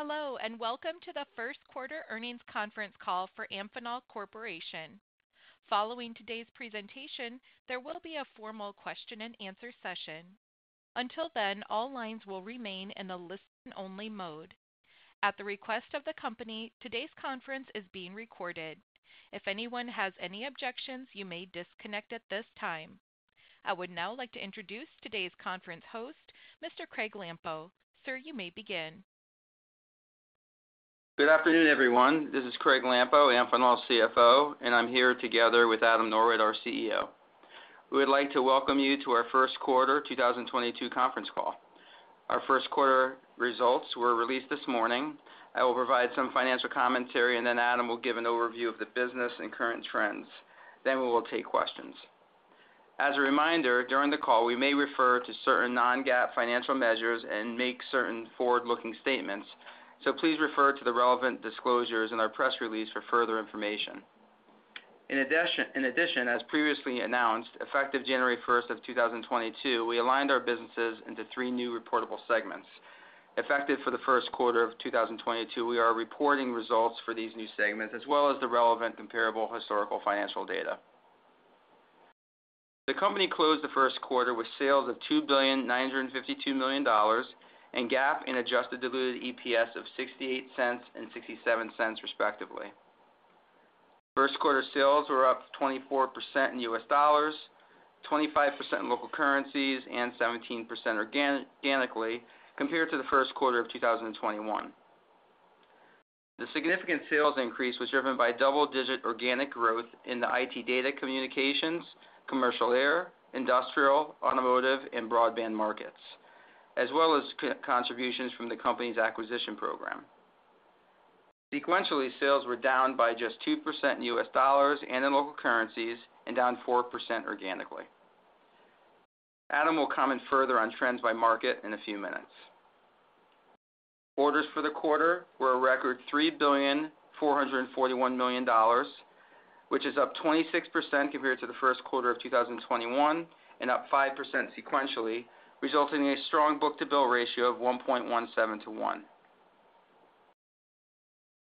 Hello, and welcome to the First Quarter Earnings Conference Call for Amphenol Corporation. Following today's presentation, there will be a formal question-and-answer session. Until then, all lines will remain in a listen-only mode. At the request of the company, today's conference is being recorded. If anyone has any objections, you may disconnect at this time. I would now like to introduce today's conference host, Mr. Craig Lampo. Sir, you may begin Good afternoon, everyone. This is Craig Lampo, Amphenol's CFO, and I'm here together with Adam Norwitt, our CEO. We would like to welcome you to our first quarter 2022 conference call. Our first quarter results were released this morning. I will provide some financial commentary, and then Adam will give an overview of the business and current trends. Then we will take questions. As a reminder, during the call, we may refer to certain non-GAAP financial measures and make certain forward-looking statements, so please refer to the relevant disclosures in our press release for further information. In addition, as previously announced, effective January 1st of 2022, we aligned our businesses into three new reportable segments. Effective for the first quarter of 2022, we are reporting results for these new segments, as well as the relevant comparable historical financial data. The company closed the first quarter with sales of $2.952 billion, and GAAP and Adjusted Diluted EPS of $0.68 and $0.67, respectively. First quarter sales were up 24% in U.S. dollars, 25% in local currencies, and 17% organically compared to the first quarter of 2021. The significant sales increase was driven by double-digit organic growth in the IT data communications, commercial air, industrial, automotive, and broadband markets, as well as contributions from the company's acquisition program. Sequentially, sales were down by just 2% in U.S. dollars and in local currencies, and down 4% organically. Adam will comment further on trends by market in a few minutes. Orders for the quarter were a record $3.441 billion, which is up 26% compared to the first quarter of 2021, and up 5% sequentially, resulting in a strong book-to-bill ratio of 1.17 to 1.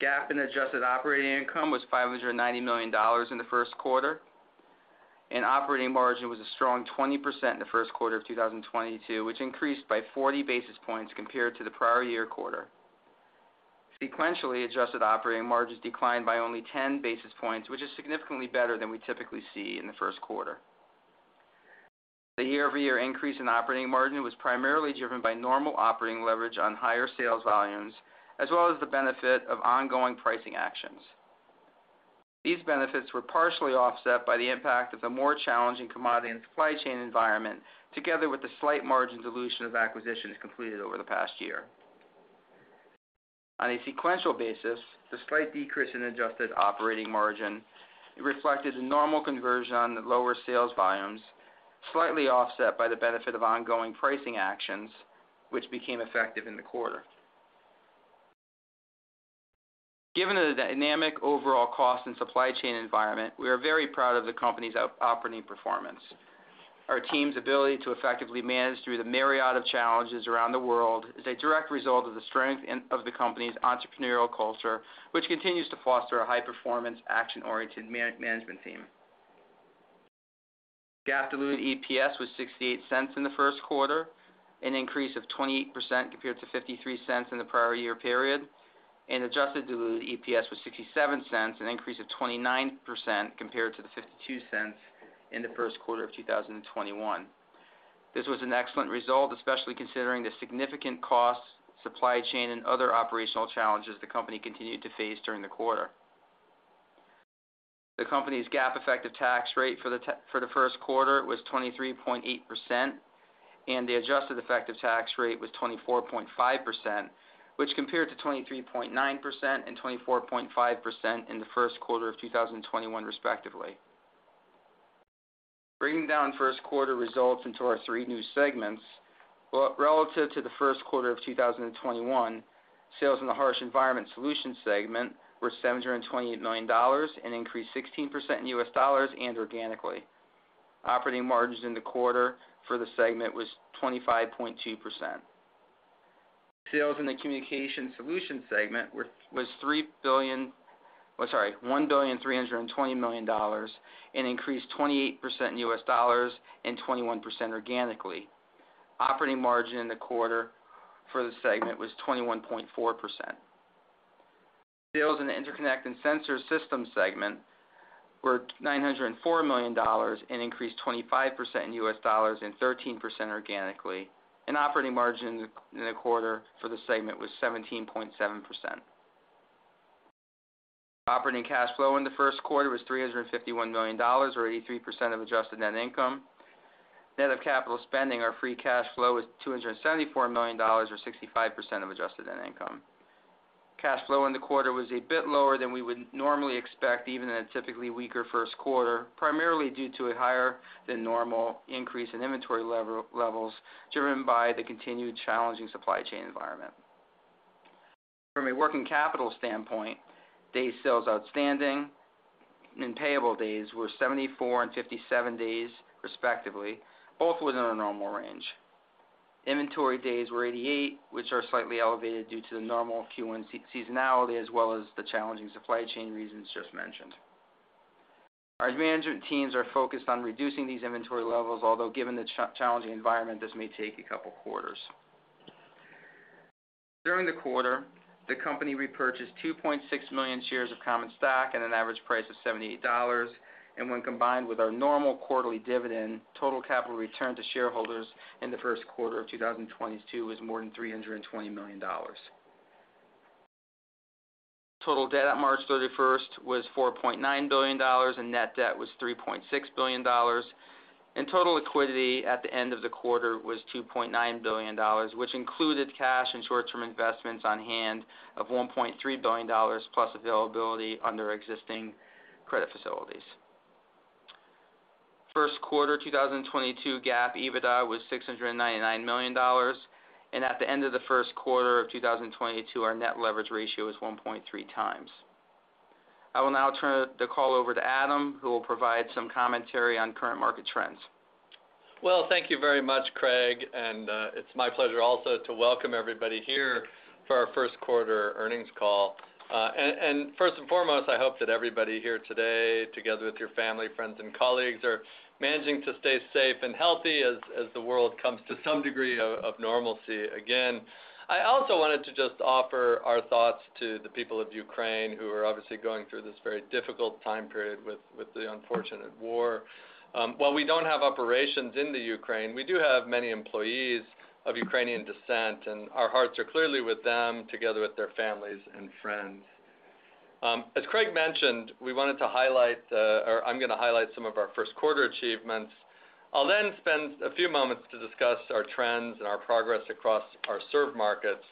GAAP and Adjusted Operating Income was $590 million in the first quarter, and operating margin was a strong 20% in the first quarter of 2022, which increased by 40 basis points compared to the prior year quarter. Sequentially, adjusted operating margins declined by only 10 basis points, which is significantly better than we typically see in the first quarter. The year-over-year increase in operating margin was primarily driven by normal operating leverage on higher sales volumes, as well as the benefit of ongoing pricing actions. These benefits were partially offset by the impact of the more challenging commodity and supply chain environment, together with the slight margin dilution of acquisitions completed over the past year. On a sequential basis, the slight decrease in adjusted operating margin reflected normal conversion on the lower sales volumes, slightly offset by the benefit of ongoing pricing actions, which became effective in the quarter. Given the dynamic overall cost and supply chain environment, we are very proud of the company's operating performance. Our team's ability to effectively manage through the myriad of challenges around the world is a direct result of the strength and of the company's entrepreneurial culture, which continues to foster a high-performance, action-oriented management team. GAAP diluted EPS was $0.68 in the first quarter, an increase of 28% compared to $0.53 in the prior year period, and Adjusted Diluted EPS was $0.67, an increase of 29% compared to the $0.52 in the first quarter of 2021. This was an excellent result, especially considering the significant cost, supply chain, and other operational challenges the company continued to face during the quarter. The company's GAAP effective tax rate for the first quarter was 23.8%, and the adjusted effective tax rate was 24.5%, which compared to 23.9% and 24.5% in the first quarter of 2021 respectively. Breaking down first quarter results into our three new segments, well, relative to the first quarter of 2021, sales in the Harsh Environment Solutions segment were $728 million, an increase 16% in U.S. dollars and organically. Operating margins in the quarter for the segment was 25.2%. Sales in the Communications Solutions segment were $1.32 billion, an increase 28% in U.S. dollars and 21% organically. Operating margin in the quarter for the segment was 21.4%. Sales in the Interconnect and Sensor Systems segment were $904 million, an increase 25% in U.S. dollars and 13% organically. Operating margin in the quarter for the segment was 17.7%. Operating cash flow in the first quarter was $351 million or 83% of Adjusted Net Income. Net of capital spending, our free cash flow was $274 million or 65% of Adjusted Net Income. Cash flow in the quarter was a bit lower than we would normally expect, even in a typically weaker first quarter, primarily due to a higher than normal increase in inventory levels driven by the continued challenging supply chain environment. From a working capital standpoint, day sales outstanding and payable days were 74 and 57 days respectively, both within our normal range. Inventory days were 88, which are slightly elevated due to the normal Q1 seasonality, as well as the challenging supply chain reasons just mentioned. Our management teams are focused on reducing these inventory levels. Although given the challenging environment, this may take a couple quarters. During the quarter, the company repurchased 2.6 million shares of common stock at an average price of $78, and when combined with our normal quarterly dividend, total capital return to shareholders in the first quarter of 2022 is more than $320 million. Total debt at March 31st was $4.9 billion, and net debt was $3.6 billion. Total liquidity at the end of the quarter was $2.9 billion, which included cash and short-term investments on hand of $1.3 billion, plus availability under existing credit facilities. First quarter 2022 GAAP EBITDA was $699 million. At the end of the first quarter of 2022, our net leverage ratio is 1.3x. I will now turn the call over to Adam, who will provide some commentary on current market trends. Well, thank you very much, Craig, and it's my pleasure also to welcome everybody here for our first quarter earnings call. First and foremost, I hope that everybody here today, together with your family, friends, and colleagues, are managing to stay safe and healthy as the world comes to some degree of normalcy again. I also wanted to just offer our thoughts to the people of Ukraine, who are obviously going through this very difficult time period with the unfortunate war. While we don't have operations in the Ukraine, we do have many employees of Ukrainian descent, and our hearts are clearly with them, together with their families and friends. As Craig mentioned, we wanted to highlight, or I'm gonna highlight some of our first quarter achievements. I'll then spend a few moments to discuss our trends and our progress across our served markets.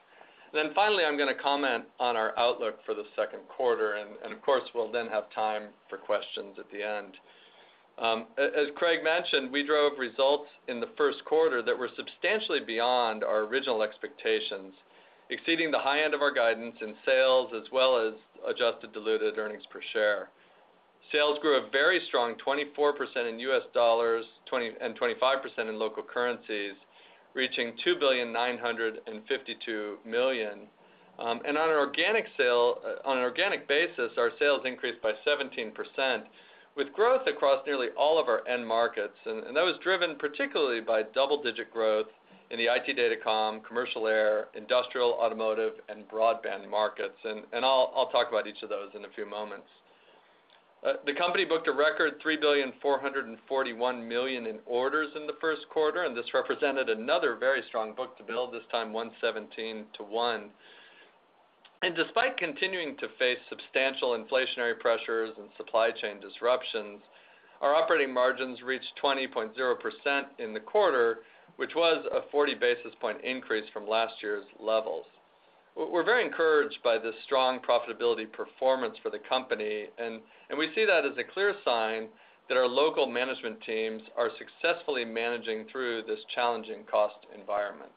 Finally, I'm gonna comment on our outlook for the second quarter, and of course, we'll then have time for questions at the end. As Craig mentioned, we drove results in the first quarter that were substantially beyond our original expectations, exceeding the high end of our guidance in sales, as well as Adjusted Diluted Earnings Per Share. Sales grew a very strong 24% in US dollars, and 25% in local currencies, reaching $2,952 million. On an organic basis, our sales increased by 17% with growth across nearly all of our end markets. That was driven particularly by double-digit growth in the IT data comm, commercial air, industrial, automotive, and broadband markets. I'll talk about each of those in a few moments. The company booked a record $3.441 billion in orders in the first quarter, and this represented another very strong book-to-bill, this time 1.17 to 1. Despite continuing to face substantial inflationary pressures and supply chain disruptions, our operating margins reached 20.0% in the quarter, which was a 40 basis point increase from last year's levels. We're very encouraged by the strong profitability performance for the company, and we see that as a clear sign that our local management teams are successfully managing through this challenging cost environment.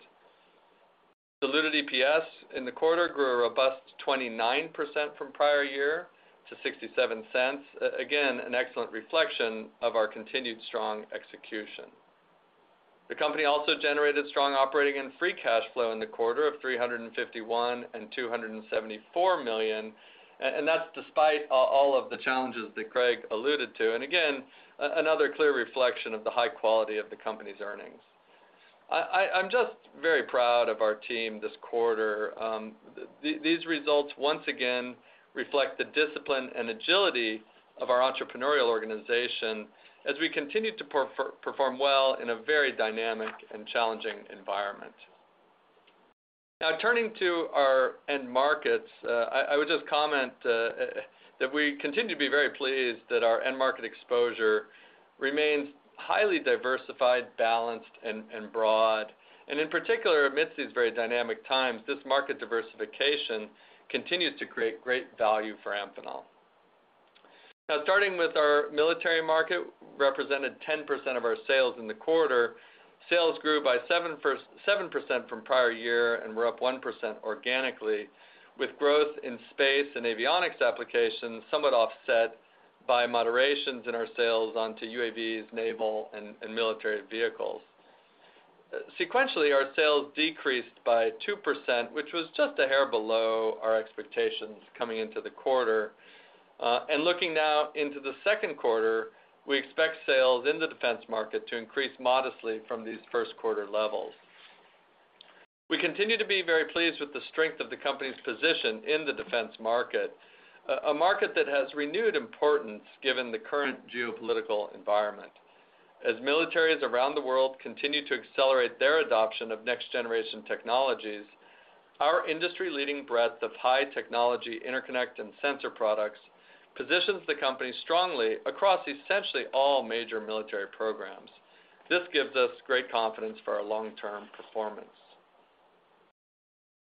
Diluted EPS in the quarter grew a robust 29% from prior year to $0.67. Again, an excellent reflection of our continued strong execution. The company also generated strong operating and free cash flow in the quarter of $351 million and $274 million, and that's despite all of the challenges that Craig alluded to. Again, another clear reflection of the high quality of the company's earnings. I'm just very proud of our team this quarter. These results once again reflect the discipline and agility of our entrepreneurial organization as we continue to perform well in a very dynamic and challenging environment. Now turning to our end markets, I would just comment that we continue to be very pleased that our end market exposure remains highly diversified, balanced, and broad. In particular, amidst these very dynamic times, this market diversification continues to create great value for Amphenol. Now starting with our military market, represented 10% of our sales in the quarter. Sales grew by 7% from prior year and were up 1% organically, with growth in space and avionics applications somewhat offset by moderations in our sales onto UAVs, naval, and military vehicles. Sequentially, our sales decreased by 2%, which was just a hair below our expectations coming into the quarter. Looking now into the second quarter, we expect sales in the defense market to increase modestly from these first quarter levels. We continue to be very pleased with the strength of the company's position in the defense market, a market that has renewed importance given the current geopolitical environment. As militaries around the world continue to accelerate their adoption of next-generation technologies, our industry-leading breadth of high technology interconnect and sensor products positions the company strongly across essentially all major military programs. This gives us great confidence for our long-term performance.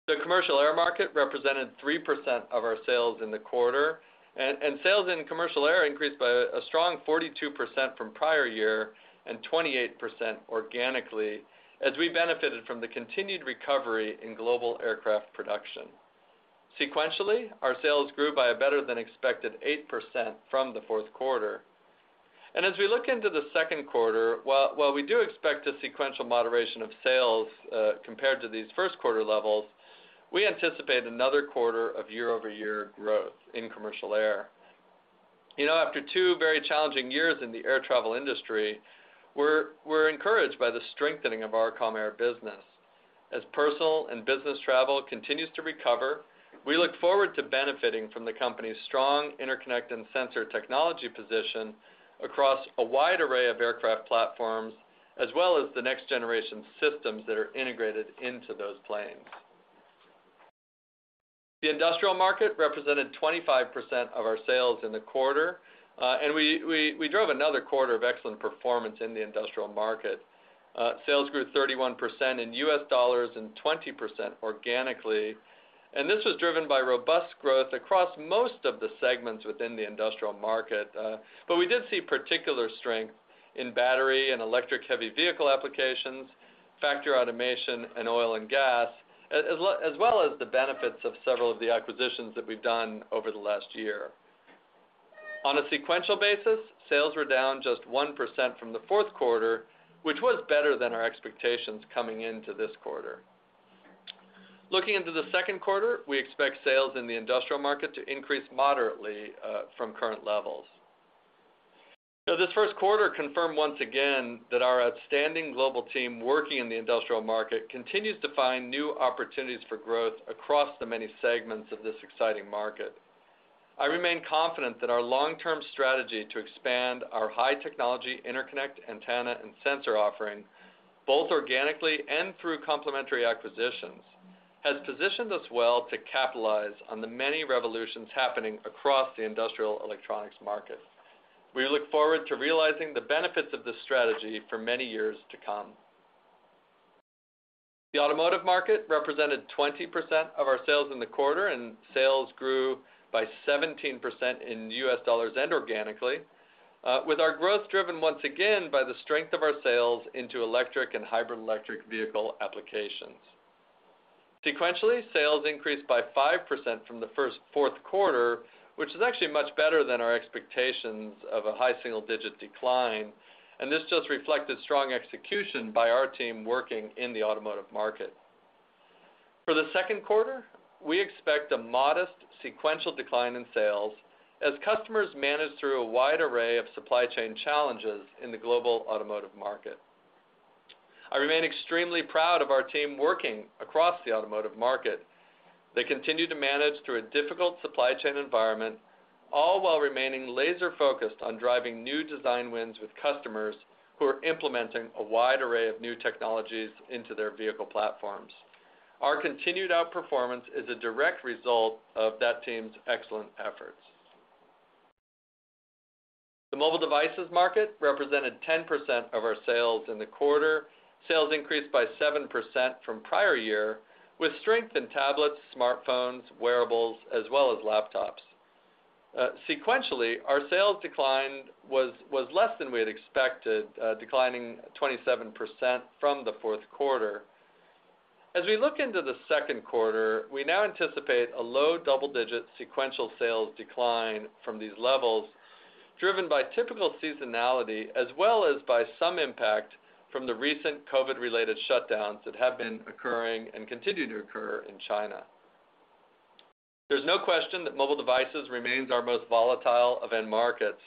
The commercial air market represented 3% of our sales in the quarter, and sales in commercial air increased by a strong 42% from prior year and 28% organically as we benefited from the continued recovery in global aircraft production. Sequentially, our sales grew by a better-than-expected 8% from the fourth quarter. As we look into the second quarter, while we do expect a sequential moderation of sales compared to these first quarter levels, we anticipate another quarter of year-over-year growth in commercial air. You know, after two very challenging years in the air travel industry, we're encouraged by the strengthening of our commercial air business. As personal and business travel continues to recover, we look forward to benefiting from the company's strong interconnect and sensor technology position across a wide array of aircraft platforms, as well as the next generation systems that are integrated into those planes. The industrial market represented 25% of our sales in the quarter. We drove another quarter of excellent performance in the industrial market. Sales grew 31% in US dollars and 20% organically, and this was driven by robust growth across most of the segments within the industrial market. We did see particular strength in battery and electric heavy vehicle applications, factory automation, and oil and gas, as well as the benefits of several of the acquisitions that we've done over the last year. On a sequential basis, sales were down just 1% from the fourth quarter, which was better than our expectations coming into this quarter. Looking into the second quarter, we expect sales in the industrial market to increase moderately from current levels. This first quarter confirmed once again that our outstanding global team working in the industrial market continues to find new opportunities for growth across the many segments of this exciting market. I remain confident that our long-term strategy to expand our high-technology interconnect, antenna, and sensor offering, both organically and through complementary acquisitions, has positioned us well to capitalize on the many revolutions happening across the industrial electronics market. We look forward to realizing the benefits of this strategy for many years to come. The automotive market represented 20% of our sales in the quarter, and sales grew by 17% in US dollars and organically, with our growth driven once again by the strength of our sales into electric and hybrid electric vehicle applications. Sequentially, sales increased by 5% from the fourth quarter, which is actually much better than our expectations of a high single-digit decline, and this just reflected strong execution by our team working in the automotive market. For the second quarter, we expect a modest sequential decline in sales as customers manage through a wide array of supply chain challenges in the global automotive market. I remain extremely proud of our team working across the automotive market. They continue to manage through a difficult supply chain environment, all while remaining laser-focused on driving new design wins with customers who are implementing a wide array of new technologies into their vehicle platforms. Our continued outperformance is a direct result of that team's excellent efforts. The mobile devices market represented 10% of our sales in the quarter. Sales increased by 7% from prior year, with strength in tablets, smartphones, wearables, as well as laptops. Sequentially, our sales decline was less than we had expected, declining 27% from the fourth quarter. As we look into the second quarter, we now anticipate a low double-digit sequential sales decline from these levels, driven by typical seasonality as well as by some impact from the recent COVID-related shutdowns that have been occurring and continue to occur in China. There's no question that mobile devices remains our most volatile of end markets.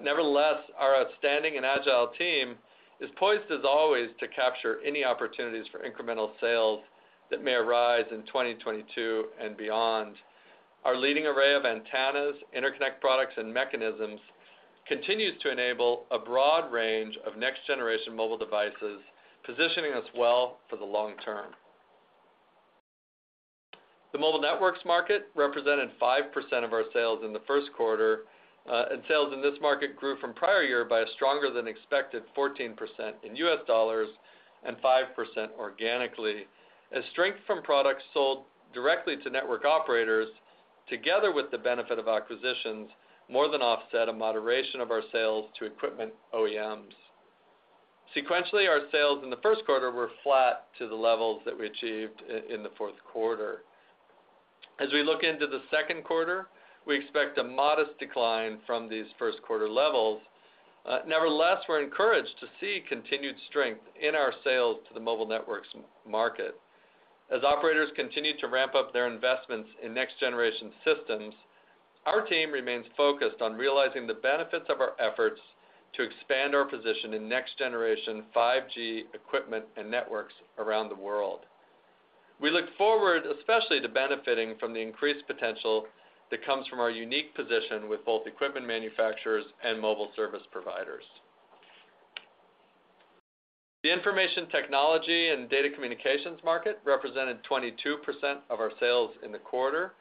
Nevertheless, our outstanding and agile team is poised, as always, to capture any opportunities for incremental sales that may arise in 2022 and beyond. Our leading array of antennas, interconnect products, and mechanisms continues to enable a broad range of next-generation mobile devices, positioning us well for the long term. The mobile networks market represented 5% of our sales in the first quarter, and sales in this market grew from prior year by a stronger than expected 14% in US dollars and 5% organically as strength from products sold directly to network operators together with the benefit of acquisitions more than offset a moderation of our sales to equipment OEMs. Sequentially, our sales in the first quarter were flat to the levels that we achieved in the fourth quarter. As we look into the second quarter, we expect a modest decline from these first quarter levels. Nevertheless, we're encouraged to see continued strength in our sales to the mobile networks market. As operators continue to ramp up their investments in next-generation systems, our team remains focused on realizing the benefits of our efforts to expand our position in next-generation 5G equipment and networks around the world. We look forward, especially to benefiting from the increased potential that comes from our unique position with both equipment manufacturers and mobile service providers. The Information Technology and Data Communications market represented 22% of our sales in the quarter.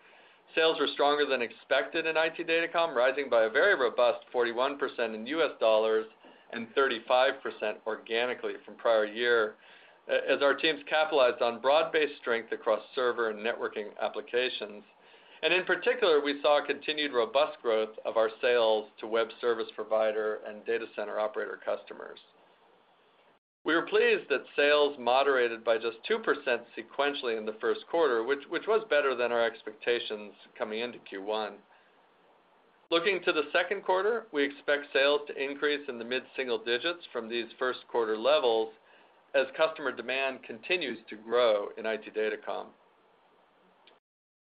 Sales were stronger than expected in IT Datacom, rising by a very robust 41% in US dollars and 35% organically from prior year as our teams capitalized on broad-based strength across server and networking applications. In particular, we saw continued robust growth of our sales to web service provider and data center operator customers. We were pleased that sales moderated by just 2% sequentially in the first quarter, which was better than our expectations coming into Q1. Looking to the second quarter, we expect sales to increase in the mid-single digits from these first quarter levels as customer demand continues to grow in IT Datacom.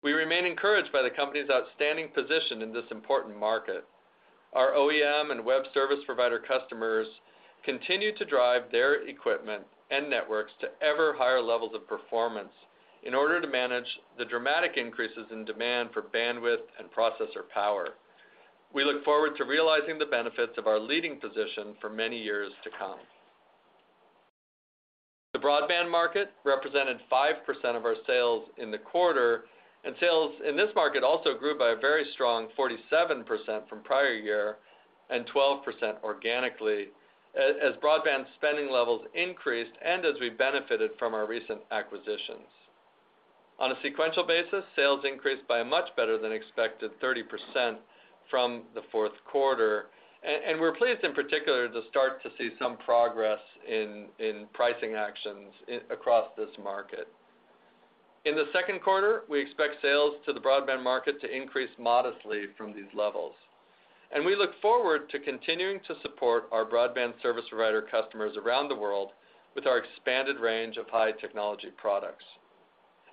We remain encouraged by the company's outstanding position in this important market. Our OEM and web service provider customers continue to drive their equipment and networks to ever higher levels of performance in order to manage the dramatic increases in demand for bandwidth and processor power. We look forward to realizing the benefits of our leading position for many years to come. The broadband market represented 5% of our sales in the quarter, and sales in this market also grew by a very strong 47% from prior year and 12% organically, as broadband spending levels increased and as we benefited from our recent acquisitions. On a sequential basis, sales increased by a much better than expected 30% from the fourth quarter. We're pleased, in particular, to start to see some progress in pricing actions across this market. In the second quarter, we expect sales to the broadband market to increase modestly from these levels, and we look forward to continuing to support our broadband service provider customers around the world with our expanded range of high-technology products.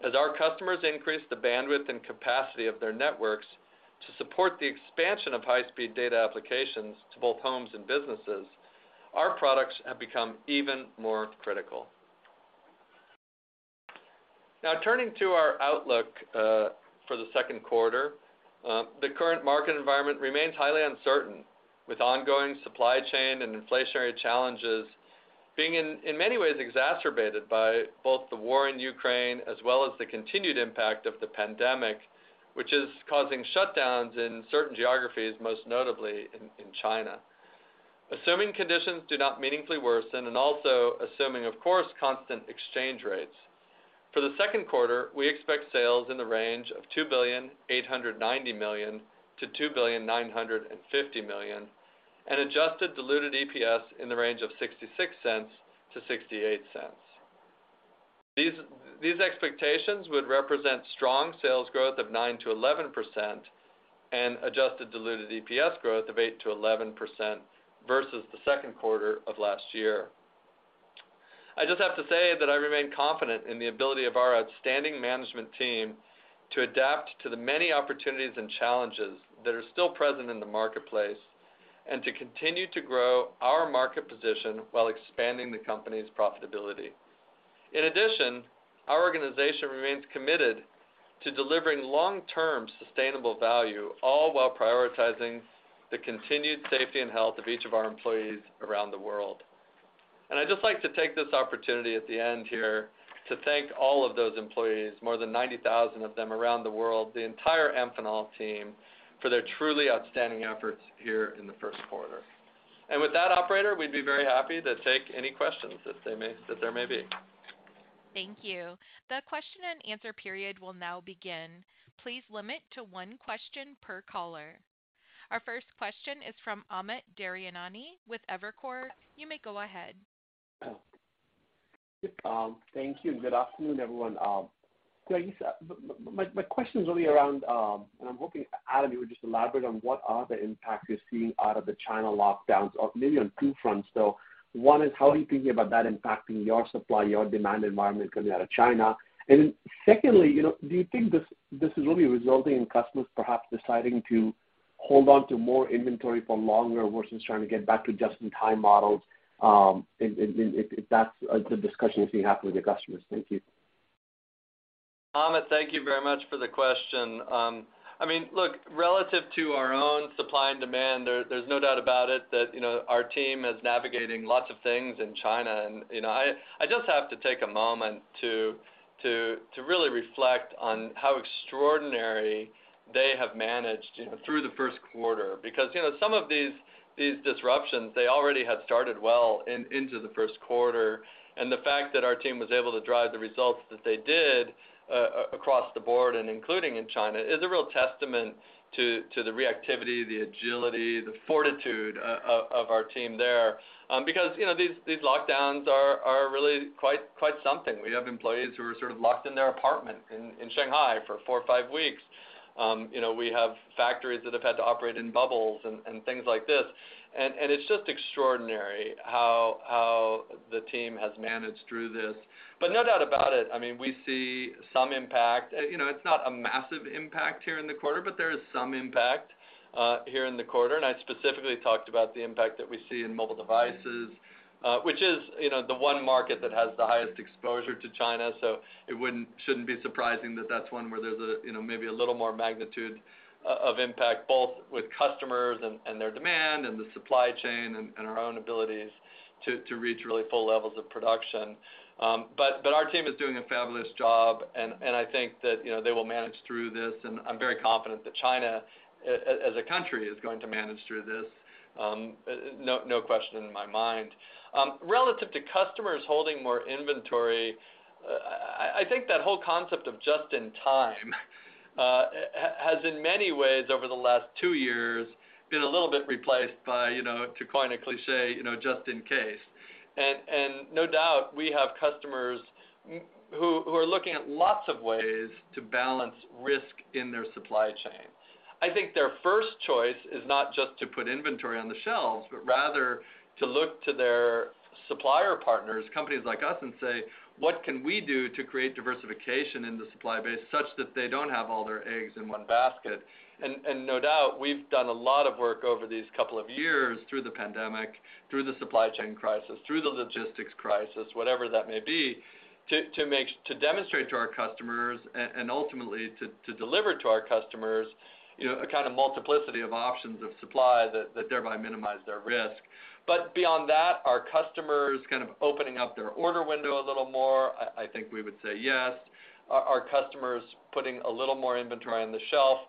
As our customers increase the bandwidth and capacity of their networks to support the expansion of high-speed data applications to both homes and businesses, our products have become even more critical. Now turning to our outlook for the second quarter. The current market environment remains highly uncertain, with ongoing supply chain and inflationary challenges being in many ways exacerbated by both the war in Ukraine as well as the continued impact of the pandemic, which is causing shutdowns in certain geographies, most notably in China. Assuming conditions do not meaningfully worsen and also assuming, of course, constant exchange rates, for the second quarter, we expect sales in the range of $2.89 billion-$2.95 billion, and Adjusted Diluted EPS in the range of $0.66-$0.68. These expectations would represent strong sales growth of 9%-11% and Adjusted Diluted EPS growth of 8%-11% versus the second quarter of last year. I just have to say that I remain confident in the ability of our outstanding management team to adapt to the many opportunities and challenges that are still present in the marketplace and to continue to grow our market position while expanding the company's profitability. In addition, our organization remains committed to delivering long-term sustainable value, all while prioritizing the continued safety and health of each of our employees around the world. I'd just like to take this opportunity at the end here to thank all of those employees, more than 90,000 of them around the world, the entire Amphenol team, for their truly outstanding efforts here in the first quarter. With that, operator, we'd be very happy to take any questions that there may be. Thank you. The question and answer period will now begin. Please limit to one question per caller. Our first question is from Amit Daryanani with Evercore. You may go ahead. Thank you, and good afternoon, everyone. I guess, my question is really around, and I'm hoping, Adam, you would just elaborate on what are the impacts you're seeing out of the China lockdowns of maybe on two fronts. One is how are you thinking about that impacting your supply, your demand environment coming out of China? Then secondly, you know, do you think this is really resulting in customers perhaps deciding to hold on to more inventory for longer versus trying to get back to just-in-time models, if that's a discussion that you have with your customers? Thank you. Amit, thank you very much for the question. I mean, look, relative to our own supply and demand, there's no doubt about it that, you know, our team is navigating lots of things in China. You know, I just have to take a moment to really reflect on how extraordinary they have managed, you know, through the first quarter. Some of these disruptions, they already had started well into the first quarter. The fact that our team was able to drive the results that they did across the board and including in China, is a real testament to the reactivity, the agility, the fortitude of our team there. You know, these lockdowns are really quite something. We have employees who are sort of locked in their apartment in Shanghai for four or five weeks. You know, we have factories that have had to operate in bubbles and things like this. It's just extraordinary how the team has managed through this. No doubt about it, I mean, we see some impact. You know, it's not a massive impact here in the quarter, but there is some impact here in the quarter. I specifically talked about the impact that we see in mobile devices, which is the one market that has the highest exposure to China. It shouldn't be surprising that that's one where there's maybe a little more magnitude of impact both with customers and their demand and the supply chain and our own abilities to reach really full levels of production. Our team is doing a fabulous job and I think that you know they will manage through this and I'm very confident that China as a country is going to manage through this no question in my mind. Relative to customers holding more inventory I think that whole concept of just in time has in many ways over the last two years been a little bit replaced by you know to coin a cliché you know just in case. No doubt we have customers who are looking at lots of ways to balance risk in their supply chain. I think their first choice is not just to put inventory on the shelves, but rather to look to their supplier partners, companies like us, and say, "What can we do to create diversification in the supply base such that they don't have all their eggs in one basket?" No doubt, we've done a lot of work over these couple of years through the pandemic, through the supply chain crisis, through the logistics crisis, whatever that may be, to demonstrate to our customers and ultimately to deliver to our customers, a kind of multiplicity of options of supply that thereby minimize their risk. Beyond that, are customers opening up their order window a little more? I think we would say yes. Are customers putting a little more inventory on the shelf?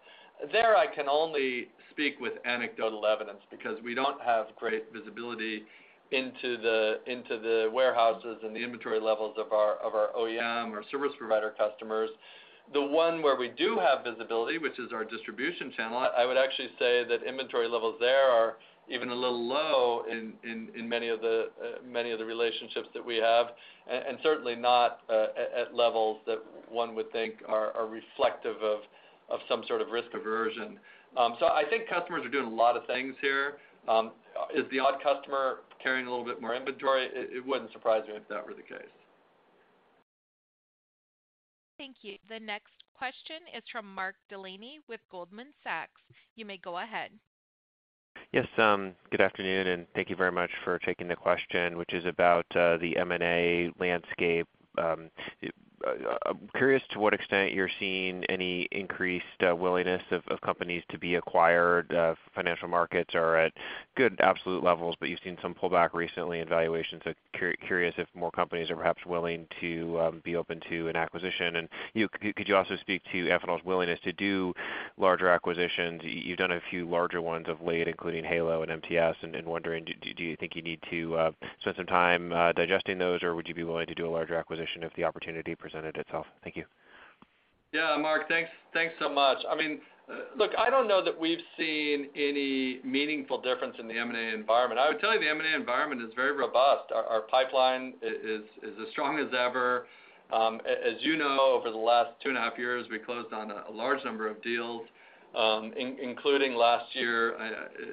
There I can only speak with anecdotal evidence because we don't have great visibility into the warehouses and the inventory levels of our OEM or service provider customers. The one where we do have visibility, which is our distribution channel, I would actually say that inventory levels there are even a little low in many of the relationships that we have, and certainly not at levels that one would think are reflective of some risk aversion. So I think customers are doing a lot of things here. Is the odd customer carrying a little bit more inventory? It wouldn't surprise me if that were the case. Thank you. The next question is from Mark Delaney with Goldman Sachs. You may go ahead. Yes, good afternoon, and thank you very much for taking the question, which is about the M&A landscape. I'm curious to what extent you're seeing any increased willingness of companies to be acquired. Financial markets are at good absolute levels, but you've seen some pullback recently in valuations. Curious if more companies are perhaps willing to be open to an acquisition. Could you also speak to Amphenol's willingness to do larger acquisitions? You've done a few larger ones of late, including Halo and MTS, and wondering, do you think you need to spend some time digesting those, or would you be willing to do a larger acquisition if the opportunity presented itself? Thank you. Yeah, Mark. Thanks, thanks so much. I mean, look, I don't know that we've seen any meaningful difference in the M&A environment. I would tell you the M&A environment is very robust. Our pipeline is as strong as ever. As you know, over the last two and half years, we closed on a large number of deals, including last year,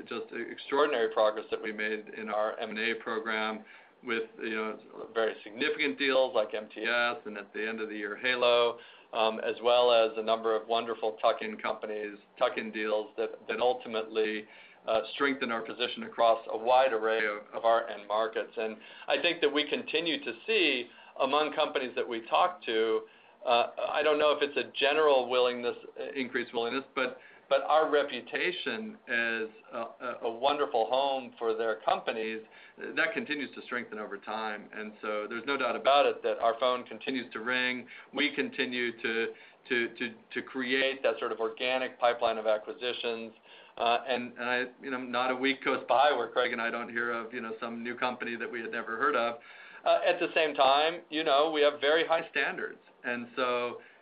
just extraordinary progress that we made in our M&A program with, you know, very significant deals like MTS, and at the end of the year, Halo, as well as a number of wonderful tuck-in companies, tuck-in deals that ultimately strengthen our position across a wide array of our end markets. I think that we continue to see among companies that we talk to, I don't know if it's a general willingness, increased willingness, but our reputation as a wonderful home for their companies, that continues to strengthen over time. There's no doubt about it that our phone continues to ring. We continue to create that organic pipeline of acquisitions. You know, not a week goes by where Craig and I don't hear of, you know, some new company that we had never heard of. At the same time, you know, we have very high standards.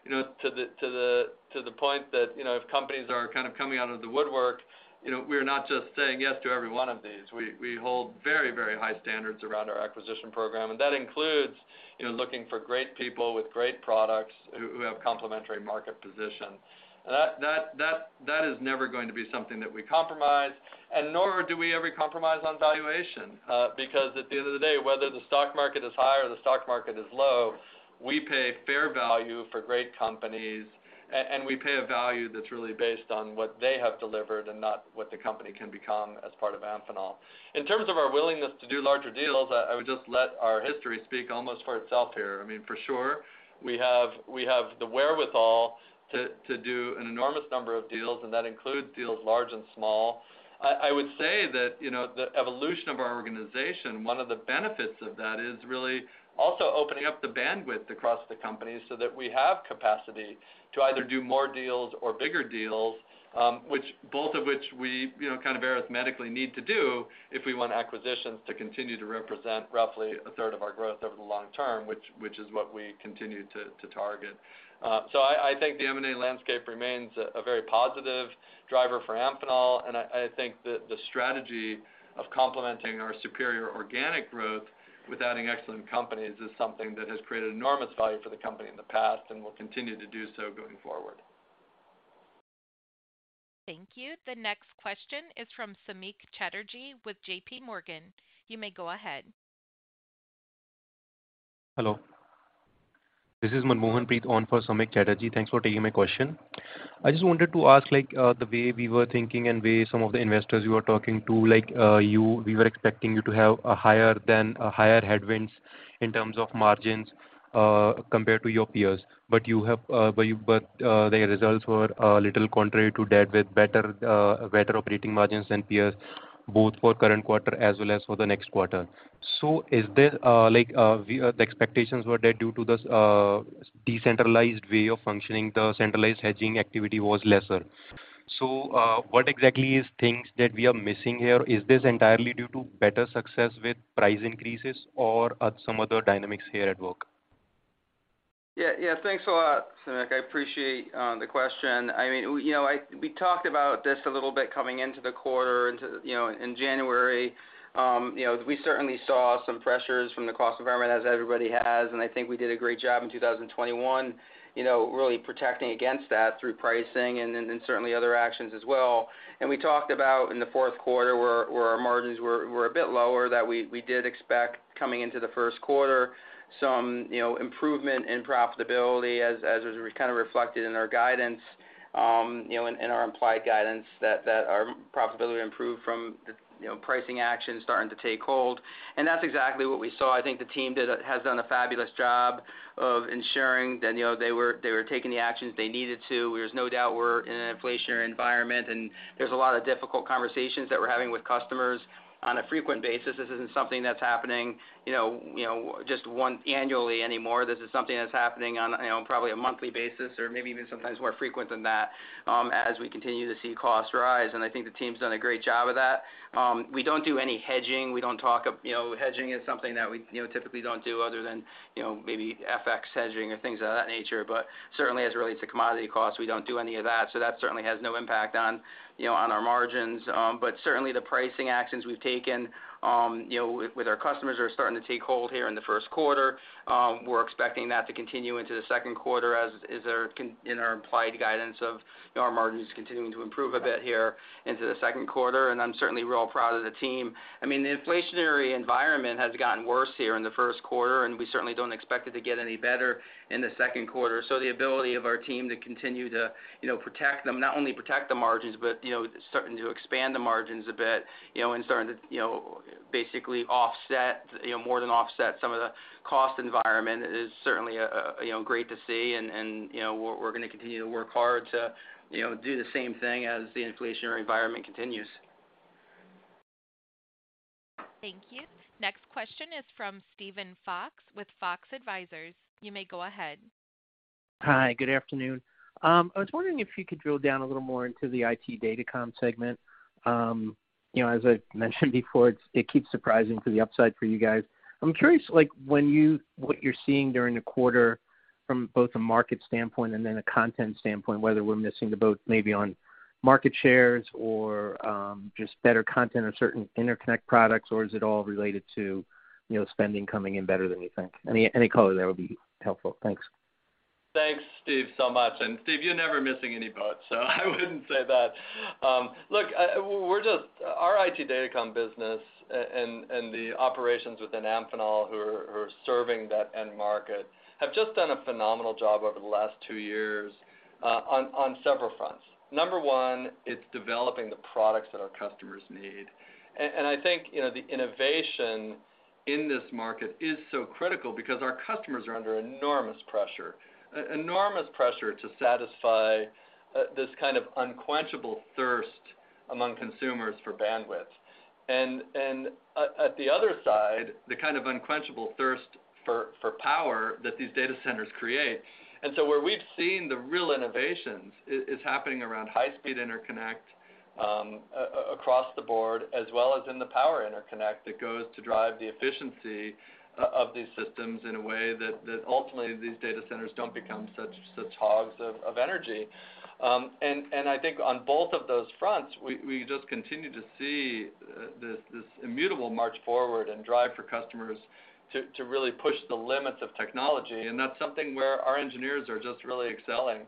You know, to the point that, you know, if companies are coming out of the woodwork, you know, we're not just saying yes to every one of these. We hold very, very high standards around our acquisition program, and that includes, you know, looking for great people with great products who have complementary market position. That is never going to be something that we compromise and nor do we ever compromise on valuation. Because at the end of the day, whether the stock market is high or the stock market is low, we pay fair value for great companies and we pay a value that's really based on what they have delivered and not what the company can become as part of Amphenol. In terms of our willingness to do larger deals, I would just let our history speak almost for itself here. I mean, for sure, we have the wherewithal to do an enormous number of deals, and that includes deals large and small. I would say that, you know, the evolution of our organization, one of the benefits of that is really also opening up the bandwidth across the company so that we have capacity to either do more deals or bigger deals, which we, you know, kind of arithmetically need to do if we want acquisitions to continue to represent roughly a third of our growth over the long term, which is what we continue to target. I think the M&A landscape remains a very positive driver for Amphenol. I think that the strategy of complementing our superior organic growth with adding excellent companies is something that has created enormous value for the company in the past and will continue to do so going forward. Thank you. The next question is from Samik Chatterjee with JPMorgan. You may go ahead. Hello. This is Manmohanpreet on for Samik Chatterjee. Thanks for taking my question. I just wanted to ask, like, the way we were thinking and way some of the investors you are talking to, like, we were expecting you to have higher headwinds in terms of margins, compared to your peers but the results were a little contrary to that, with better operating margins than peers, both for current quarter as well as for the next quarter. Is there, like, the expectations were there due to this decentralized way of functioning, the centralized hedging activity was lesser? What exactly is things that we are missing here? Is this entirely due to better success with price increases or are some other dynamics here at work? Yeah. Yeah. Thanks a lot, Samik. I appreciate the question. I mean, we, you know, we talked about this a little bit coming into the quarter, into the, you know, in January. You know, we certainly saw some pressures from the cost environment as everybody has, and I think we did a great job in 2021, you know, really protecting against that through pricing and then certainly other actions as well. We talked about in the fourth quarter where our margins were a bit lower that we did expect coming into the first quarter some, you know, improvement in profitability as was kind of reflected in our guidance, you know, in our implied guidance that our profitability improved from the, you know, pricing actions starting to take hold. That's exactly what we saw. I think the team has done a fabulous job of ensuring that, you know, they were taking the actions they needed to. There's no doubt we're in an inflationary environment, and there's a lot of difficult conversations that we're having with customers on a frequent basis. This isn't something that's happening, you know, just once annually anymore. This is something that's happening on, you know, probably a monthly basis or maybe even sometimes more frequent than that, as we continue to see costs rise. I think the team's done a great job of that. We don't do any hedging. We don't talk of, you know, hedging is something that we, you know, typically don't do other than, you know, maybe FX hedging or things of that nature. Certainly, as it relates to commodity costs, we don't do any of that, so that certainly has no impact on, you know, on our margins. Certainly the pricing actions we've taken, you know, with our customers are starting to take hold here in the first quarter. We're expecting that to continue into the second quarter in our implied guidance of our margins continuing to improve a bit here into the second quarter. I'm certainly real proud of the team. I mean, the inflationary environment has gotten worse here in the first quarter, and we certainly don't expect it to get any better in the second quarter. The ability of our team to continue to, you know, protect them, not only protect the margins, but you know, starting to expand the margins a bit, you know, and starting to, you know, basically offset, you know, more than offset some of the cost environment is certainly, you know, great to see. You know, we're gonna continue to work hard to, you know, do the same thing as the inflationary environment continues. Thank you. Next question is from Steven Fox with Fox Advisors. You may go ahead. Hi. Good afternoon. I was wondering if you could drill down a little more into the IT Datacom segment. You know, as I've mentioned before, it keeps surprising to the upside for you guys. I'm curious, like, what you're seeing during the quarter from both a market standpoint and then a content standpoint, whether we're missing the boat maybe on market shares or just better content or certain interconnect products, or is it all related to, you know, spending coming in better than you think? Any color there would be helpful. Thanks. Thanks, Steven, so much. Steven, you're never missing any boats, so I wouldn't say that. Our IT Datacom business and the operations within Amphenol who are serving that end market have just done a phenomenal job over the last two years, on several fronts. Number one, it's developing the products that our customers need. I think, you know, the innovation in this market is so critical because our customers are under enormous pressure to satisfy this kind of unquenchable thirst among consumers for bandwidth. And at the other side, the kind of unquenchable thirst for power that these data centers create. Where we've seen the real innovations is happening around high-speed interconnect, across the board as well as in the power interconnect that goes to drive the efficiency of these systems in a way that ultimately these data centers don't become such hogs of energy. I think on both of those fronts, we just continue to see this immutable march forward and drive for customers to really push the limits of technology. That's something where our engineers are just really excelling.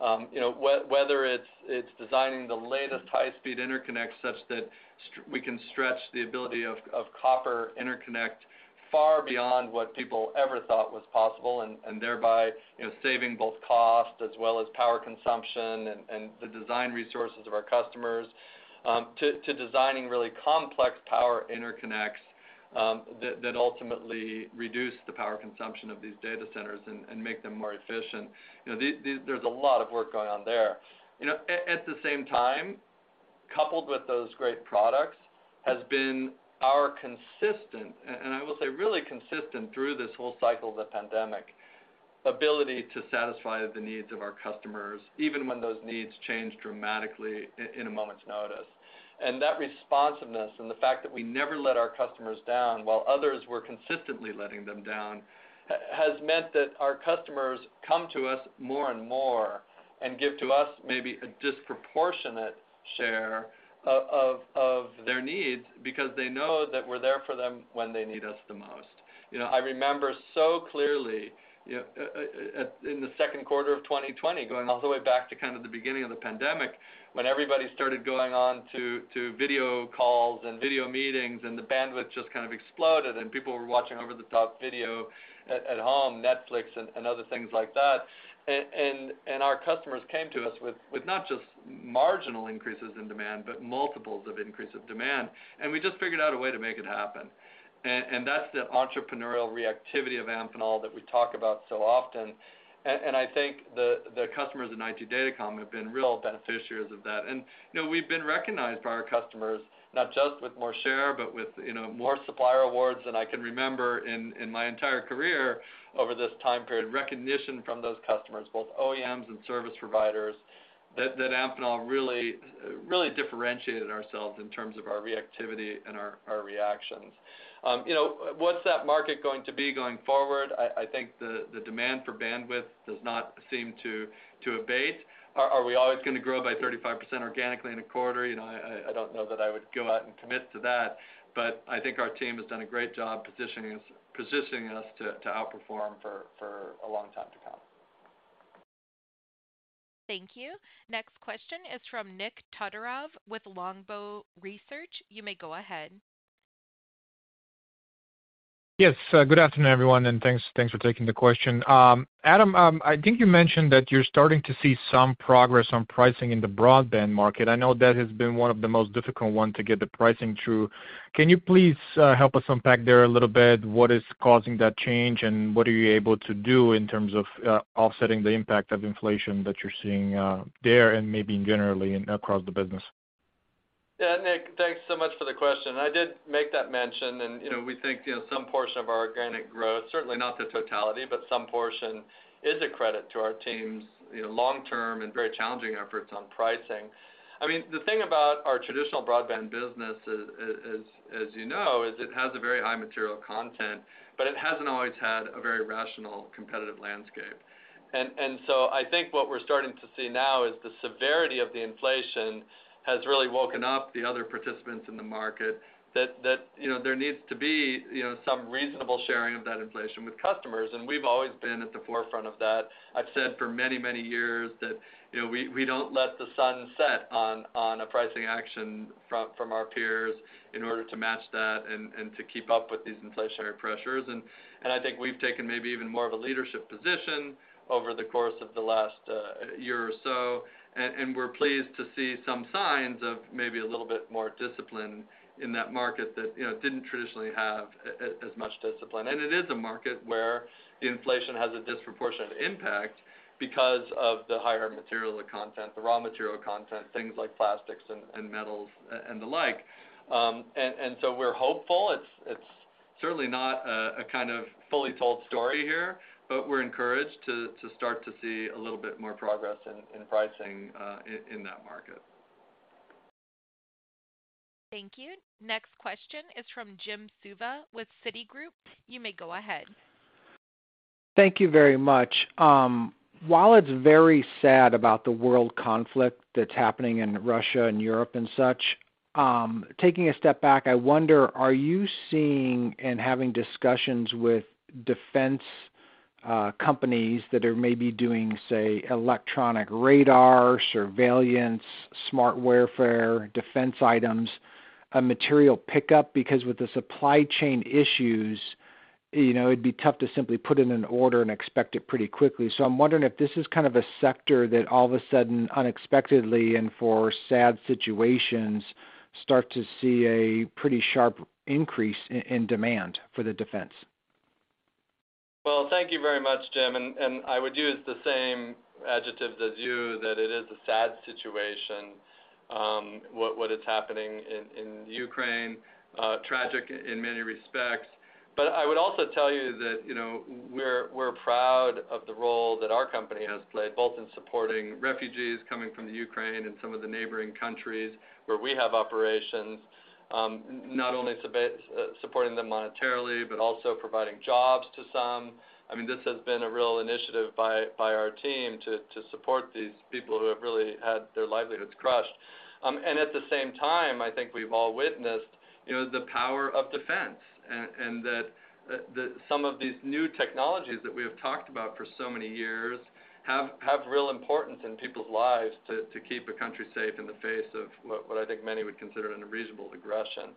Whether it's designing the latest high-speed interconnect such that we can stretch the ability of copper interconnect far beyond what people ever thought was possible and thereby, you know, saving both cost as well as power consumption and the design resources of our customers, to designing really complex power interconnects that ultimately reduce the power consumption of these data centers and make them more efficient. You know, there's a lot of work going on there. You know, at the same time, coupled with those great products, has been our consistent and I will say really consistent through this whole cycle of the pandemic ability to satisfy the needs of our customers, even when those needs change dramatically in a moment's notice. That responsiveness and the fact that we never let our customers down while others were consistently letting them down, has meant that our customers come to us more and more and give to us maybe a disproportionate share of their needs because they know that we're there for them when they need us the most. You know, I remember so clearly, you know, in the second quarter of 2020, going all the way back to kind of the beginning of the pandemic, when everybody started going on to video calls and video meetings and the bandwidth just kind of exploded and people were watching over-the-top video at home, Netflix and other things like that. Our customers came to us with not just marginal increases in demand, but multiples of increase of demand, and we just figured out a way to make it happen. That's the entrepreneurial reactivity of Amphenol that we talk about so often. I think the customers in IT Datacom have been real beneficiaries of that. You know, we've been recognized by our customers, not just with more share, but with, you know, more supplier awards than I can remember in my entire career over this time period. Recognition from those customers, both OEMs and service providers, that Amphenol really differentiated ourselves in terms of our reactivity and our reactions. You know, what's that market going to be going forward? I think the demand for bandwidth does not seem to abate. Are we always gonna grow by 35% organically in a quarter? You know, I don't know that I would go out and commit to that. I think our team has done a great job positioning us to outperform for a long time to come. Thank you. Next question is from Nikolay Todorov with Longbow Research. You may go ahead. Yes. Good afternoon, everyone, and thanks for taking the question. Adam, I think you mentioned that you're starting to see some progress on pricing in the broadband market. I know that has been one of the most difficult one to get the pricing through. Can you please help us unpack there a little bit what is causing that change, and what are you able to do in terms of offsetting the impact of inflation that you're seeing there and maybe generally across the business? Yeah. Nick, thanks so much for the question. I did make that mention, and we think some portion of our organic growth, certainly not the totality, but some portion is a credit to our team's, you know, long-term and very challenging efforts on pricing. I mean, the thing about our traditional broadband business is, as you know, it has a very high material content, but it hasn't always had a very rational competitive landscape. I think what we're starting to see now is the severity of the inflation has really woken up the other participants in the market that, you know, there needs to be, you know, some reasonable sharing of that inflation with customers, and we've always been at the forefront of that. I've said for many, many years that, you know, we don't let the sun set on a pricing action from our peers in order to match that and to keep up with these inflationary pressures. I think we've taken maybe even more of a leadership position over the course of the last year or so, and we're pleased to see some signs of maybe a little bit more discipline in that market that, you know, didn't traditionally have as much discipline. It is a market where the inflation has a disproportionate impact because of the higher material content, the raw material content, things like plastics and metals and the like. We're hopeful. It's certainly not a kind of fully told story here, but we're encouraged to start to see a little bit more progress in pricing in that market. Thank you. Next question is from Jim Suva with Citigroup. You may go ahead. Thank you very much. While it's very sad about the world conflict that's happening in Russia and Europe and such, taking a step back, I wonder, are you seeing and having discussions with defense companies that are maybe doing, say, electronic radar, surveillance, smart warfare, defense items, a material pickup? Because with the supply chain issues, you know, it'd be tough to simply put in an order and expect it pretty quickly. I'm wondering if this is kind of a sector that all of a sudden, unexpectedly and for sad situations, start to see a pretty sharp increase in demand for the defense. Well, thank you very much, Jim. I would use the same adjectives as you that it is a sad situation, what is happening in Ukraine, tragic in many respects. I would also tell you that we're proud of the role that our company has played, both in supporting refugees coming from Ukraine and some of the neighbouring countries where we have operations, not only supporting them monetarily, but also providing jobs to some. I mean, this has been a real initiative by our team to support these people who have really had their livelihoods crushed. At the same time, I think we've all witnessed, you know, the power of defense and that some of these new technologies that we have talked about for so many years have real importance in people's lives to keep a country safe in the face of what I think many would consider an unreasonable aggression.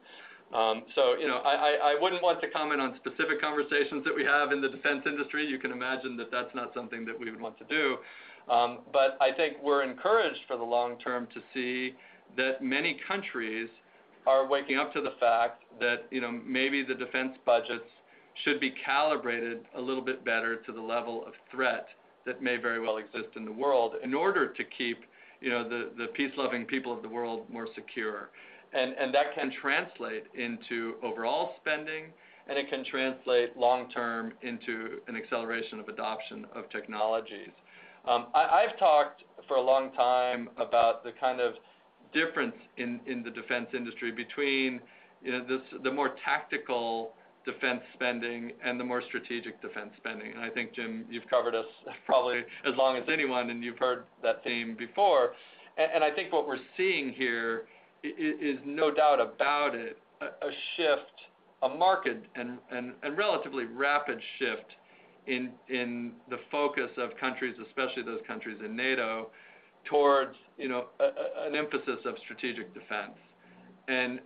You know, I wouldn't want to comment on specific conversations that we have in the defense industry. You can imagine that that's not something that we would want to do. I think we're encouraged for the long term to see that many countries are waking up to the fact that, you know, maybe the defense budgets should be calibrated a little bit better to the level of threat that may very well exist in the world in order to keep, you know, the peace-loving people of the world more secure. And that can translate into overall spending, and it can translate long term into an acceleration of adoption of technologies. I've talked for a long time about the kind of difference in the defense industry between, you know, this, the more tactical defense spending and the more strategic defense spending. I think, Jim, you've covered us probably as long as anyone, and you've heard that theme before. I think what we're seeing here is no doubt about it, a marked and relatively rapid shift in the focus of countries, especially those countries in NATO, towards, you know, an emphasis of strategic defense.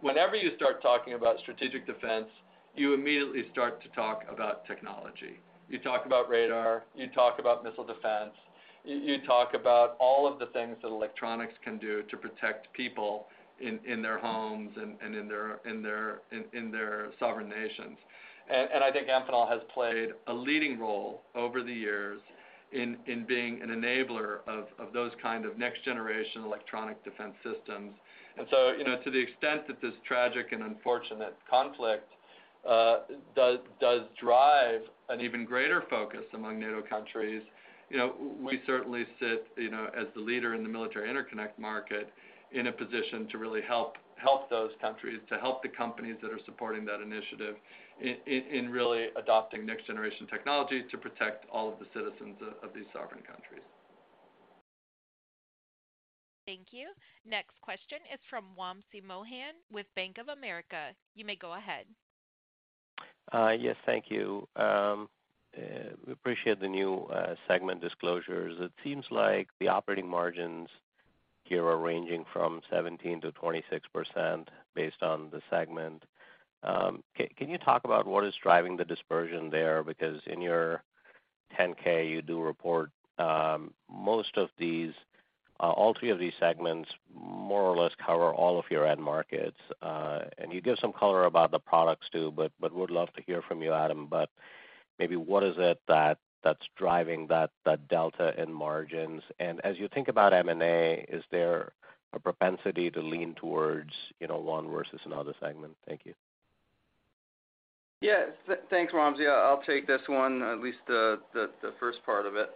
Whenever you start talking about strategic defense, you immediately start to talk about technology. You talk about radar, you talk about missile defense, you talk about all of the things that electronics can do to protect people in their homes and in their sovereign nations. I think Amphenol has played a leading role over the years in being an enabler of those kind of next-generation electronic defense systems. You know, to the extent that this tragic and unfortunate conflict does drive an even greater focus among NATO countries. You know, we certainly sit, you know, as the leader in the military interconnect market in a position to really help those countries to help the companies that are supporting that initiative in really adopting next-generation technology to protect all of the citizens of these sovereign countries. Thank you. Next question is from Wamsi Mohan with Bank of America. You may go ahead. Yes, thank you. We appreciate the new segment disclosures. It seems like the operating margins here are ranging from 17%-26% based on the segment. Can you talk about what is driving the dispersion there? Because in your 10-K, you do report most of these. All three of these segments more or less cover all of your end markets. You give some color about the products too, but would love to hear from you, Adam. Maybe what is it that's driving that delta in margins. As you think about M&A, is there a propensity to lean towards, you know, one versus another segment? Thank you. Yes. Thanks, Wamsi. I'll take this one, at least the first part of it.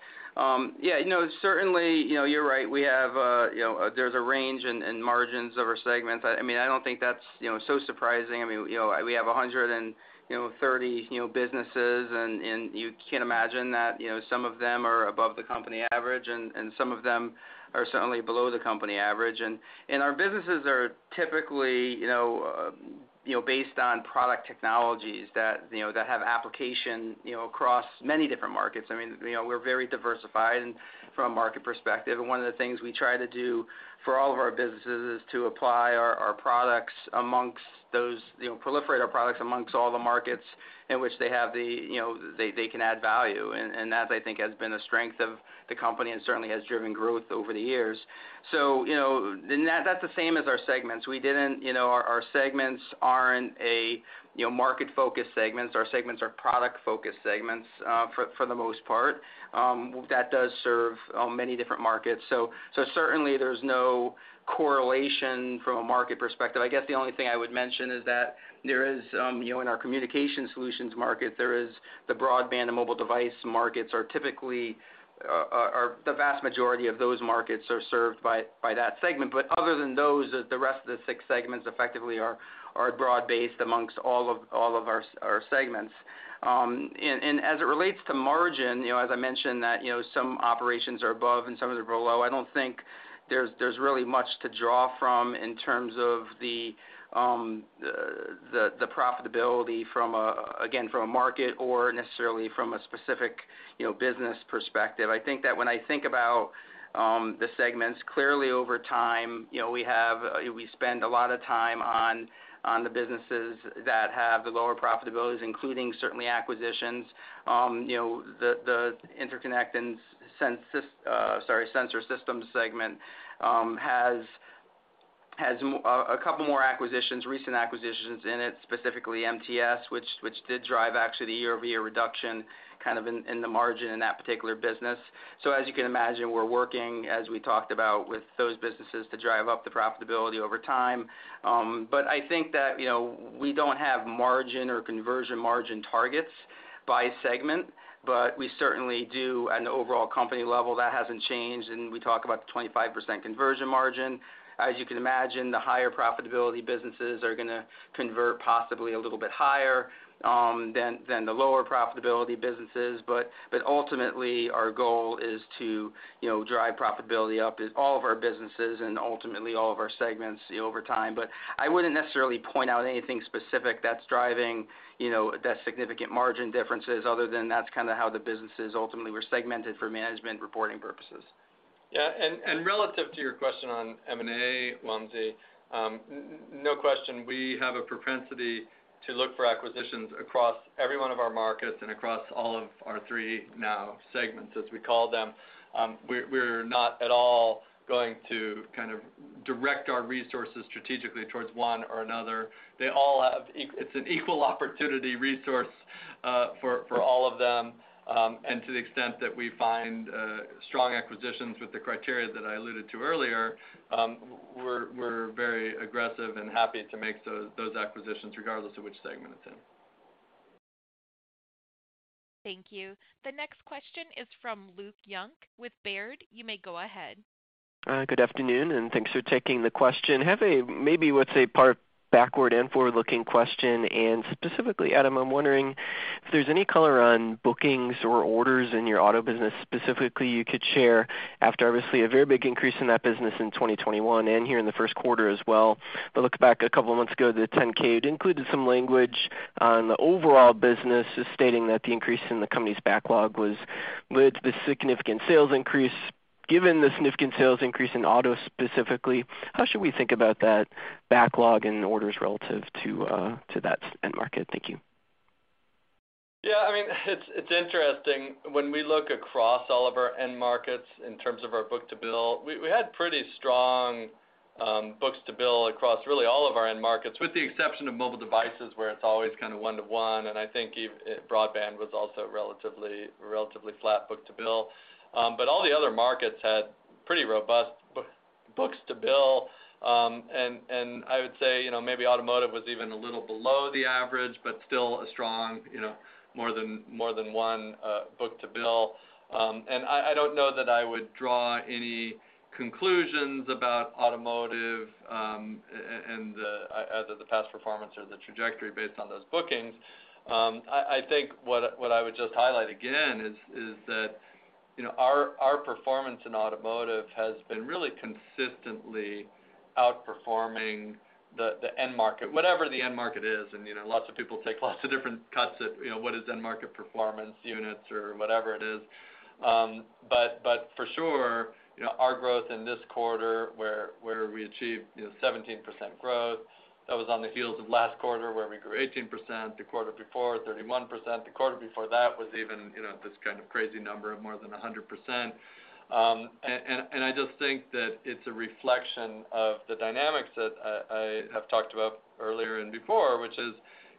Yeah, you know, certainly, you know, you're right. We have a, you know, there's a range in margins of our segments. I mean, I don't think that's so surprising. I mean, you know, we have 130 [new] businesses and you can imagine that, you know, some of them are above the company average and some of them are certainly below the company average. Our businesses are typically, you know, based on product technologies that have application, you know, across many different markets. I mean, you know, we're very diversified and from a market perspective, and one of the things we try to do for all of our businesses is to proliferate our products amongst all the markets in which they can add value. That I think has been a strength of the company and certainly has driven growth over the years. You know, that's the same as our segments. Our segments aren't market-focused segments. Our segments are product-focused segments for the most part that does serve many different markets. Certainly there's no correlation from a market perspective. I guess the only thing I would mention is that, you know, in our Communications Solutions market, the broadband and mobile device markets are typically the vast majority of those markets served by that segment. Other than those, the rest of the six segments effectively are broad-based amongst all of our segments. As it relates to margin, you know, as I mentioned that, you know, some operations are above and some of them are below. I don't think there's really much to draw from in terms of the profitability from a market or necessarily from a specific business perspective. I think that when I think about the segments, clearly over time, you know, we have, we spend a lot of time on the businesses that have the lower profitabilities, including certainly acquisitions. You know, the Interconnect and Sensor Systems segment has a couple more acquisitions, recent acquisitions in it, specifically MTS, which did drive actually the year-over-year reduction kind of in the margin in that particular business. As you can imagine, we're working, as we talked about, with those businesses to drive up the profitability over time but I think that, you know, we don't have margin or conversion margin targets by segment, but we certainly do at an overall company level, that hasn't changed, and we talk about the 25% conversion margin. As you can imagine, the higher profitability businesses are gonna convert possibly a little bit higher than the lower profitability businesses. Ultimately, our goal is to, you know, drive profitability up in all of our businesses and ultimately all of our segments over time. I wouldn't necessarily point out anything specific that's driving, you know, that significant margin differences other than that's how the businesses ultimately were segmented for management reporting purposes. Yeah. Relative to your question on M&A, Wamsi, no question, we have a propensity to look for acquisitions across every one of our markets and across all of our three now segments, as we call them. We're not at all going to kind of direct our resources strategically towards one or another. They all have. It's an equal opportunity resource for all of them. To the extent that we find strong acquisitions with the criteria that I alluded to earlier, we're very aggressive and happy to make those acquisitions regardless of which segment it's in. Thank you. The next question is from Luke Junk with Baird. You may go ahead. Good afternoon, and thanks for taking the question. I have a maybe a bit backward and forward-looking question, and specifically, Adam, I'm wondering if there's any color on bookings or orders in your auto business, specifically if you could share after obviously a very big increase in that business in 2021 and here in the first quarter as well. Look back a couple of months ago, the 10-K, it included some language on the overall business stating that the increase in the company's backlog was what led to the significant sales increase. Given the significant sales increase in auto specifically, how should we think about that backlog and orders relative to that end market? Thank you. Yeah, I mean, it's interesting. When we look across all of our end markets in terms of our book-to-bill, we had pretty strong books-to-bill across really all of our end markets, with the exception of mobile devices, where it's always kind of one-to-one. I think broadband was also relatively flat book-to-bill but all the other markets had pretty robust books-to-bill. I would say, you know, maybe automotive was even a little below the average, but still a strong, you know, more than one book-to-bill. And I don't know that I would draw any conclusions about automotive and either the past performance or the trajectory based on those bookings. I think what I would just highlight again is that, you know, our performance in automotive has been really consistently outperforming the end market, whatever the end market is. You know, lots of people take lots of different cuts at, you know, what is end market performance units or whatever it is but for sure, you know, our growth in this quarter, where we achieved, you know, 17% growth, that was on the heels of last quarter, where we grew 18%, the quarter before, 31%. The quarter before that was even, you know, this kind of crazy number of more than 100%. I just think that it's a reflection of the dynamics that I have talked about earlier and before, which is,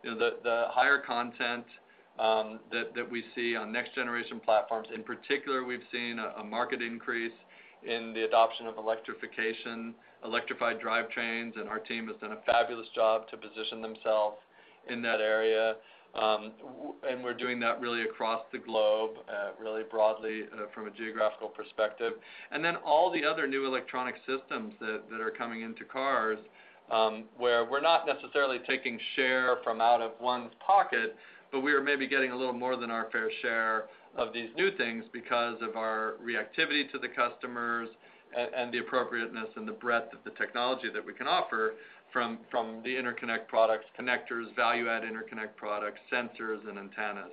you know, the higher content that we see on next generation platforms. In particular, we've seen a market increase in the adoption of electrification, electrified drivetrains, and our team has done a fabulous job to position themselves in that area. We're doing that really across the globe, really broadly from a geographical perspective. All the other new electronic systems that are coming into cars, where we're not necessarily taking share from out of one's pocket, but we are maybe getting a little more than our fair share of these new things because of our reactivity to the customers and the appropriateness and the breadth of the technology that we can offer from the interconnect products, connectors, value-add interconnect products, sensors, and antennas.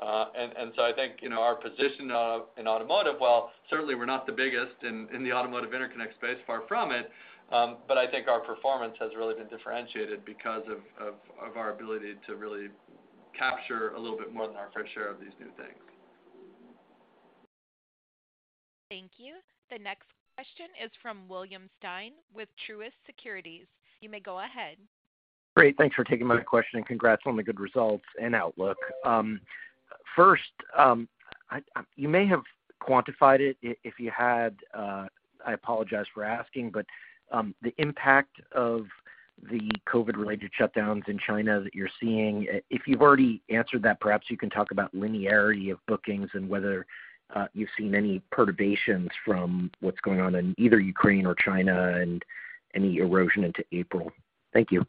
I think, you know, our position in automotive, while certainly we're not the biggest in the automotive interconnect space, far from it, but I think our performance has really been differentiated because of our ability to really capture a little bit more than our fair share of these new things. Thank you. The next question is from William Stein with Truist Securities. You may go ahead. Great. Thanks for taking my question, and congrats on the good results and outlook. First, you may have quantified it. If you had, I apologize for asking, but the impact of the COVID-related shutdowns in China that you're seeing, if you've already answered that, perhaps you can talk about linearity of bookings and whether you've seen any perturbations from what's going on in either Ukraine or China and any erosion into April. Thank you.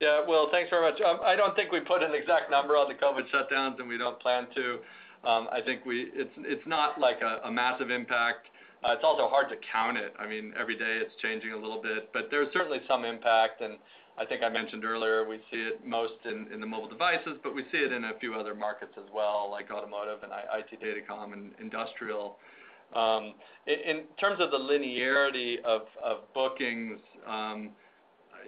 Yeah. Well, thanks very much. I don't think we put an exact number on the COVID shutdowns, and we don't plan to. I think it's not like a massive impact. It's also hard to count it. I mean, every day it's changing a little bit. There's certainly some impact, and I think I mentioned earlier, we see it most in the mobile devices, but we see it in a few other markets as well, like automotive and IT Datacom and industrial. In terms of the linearity of bookings,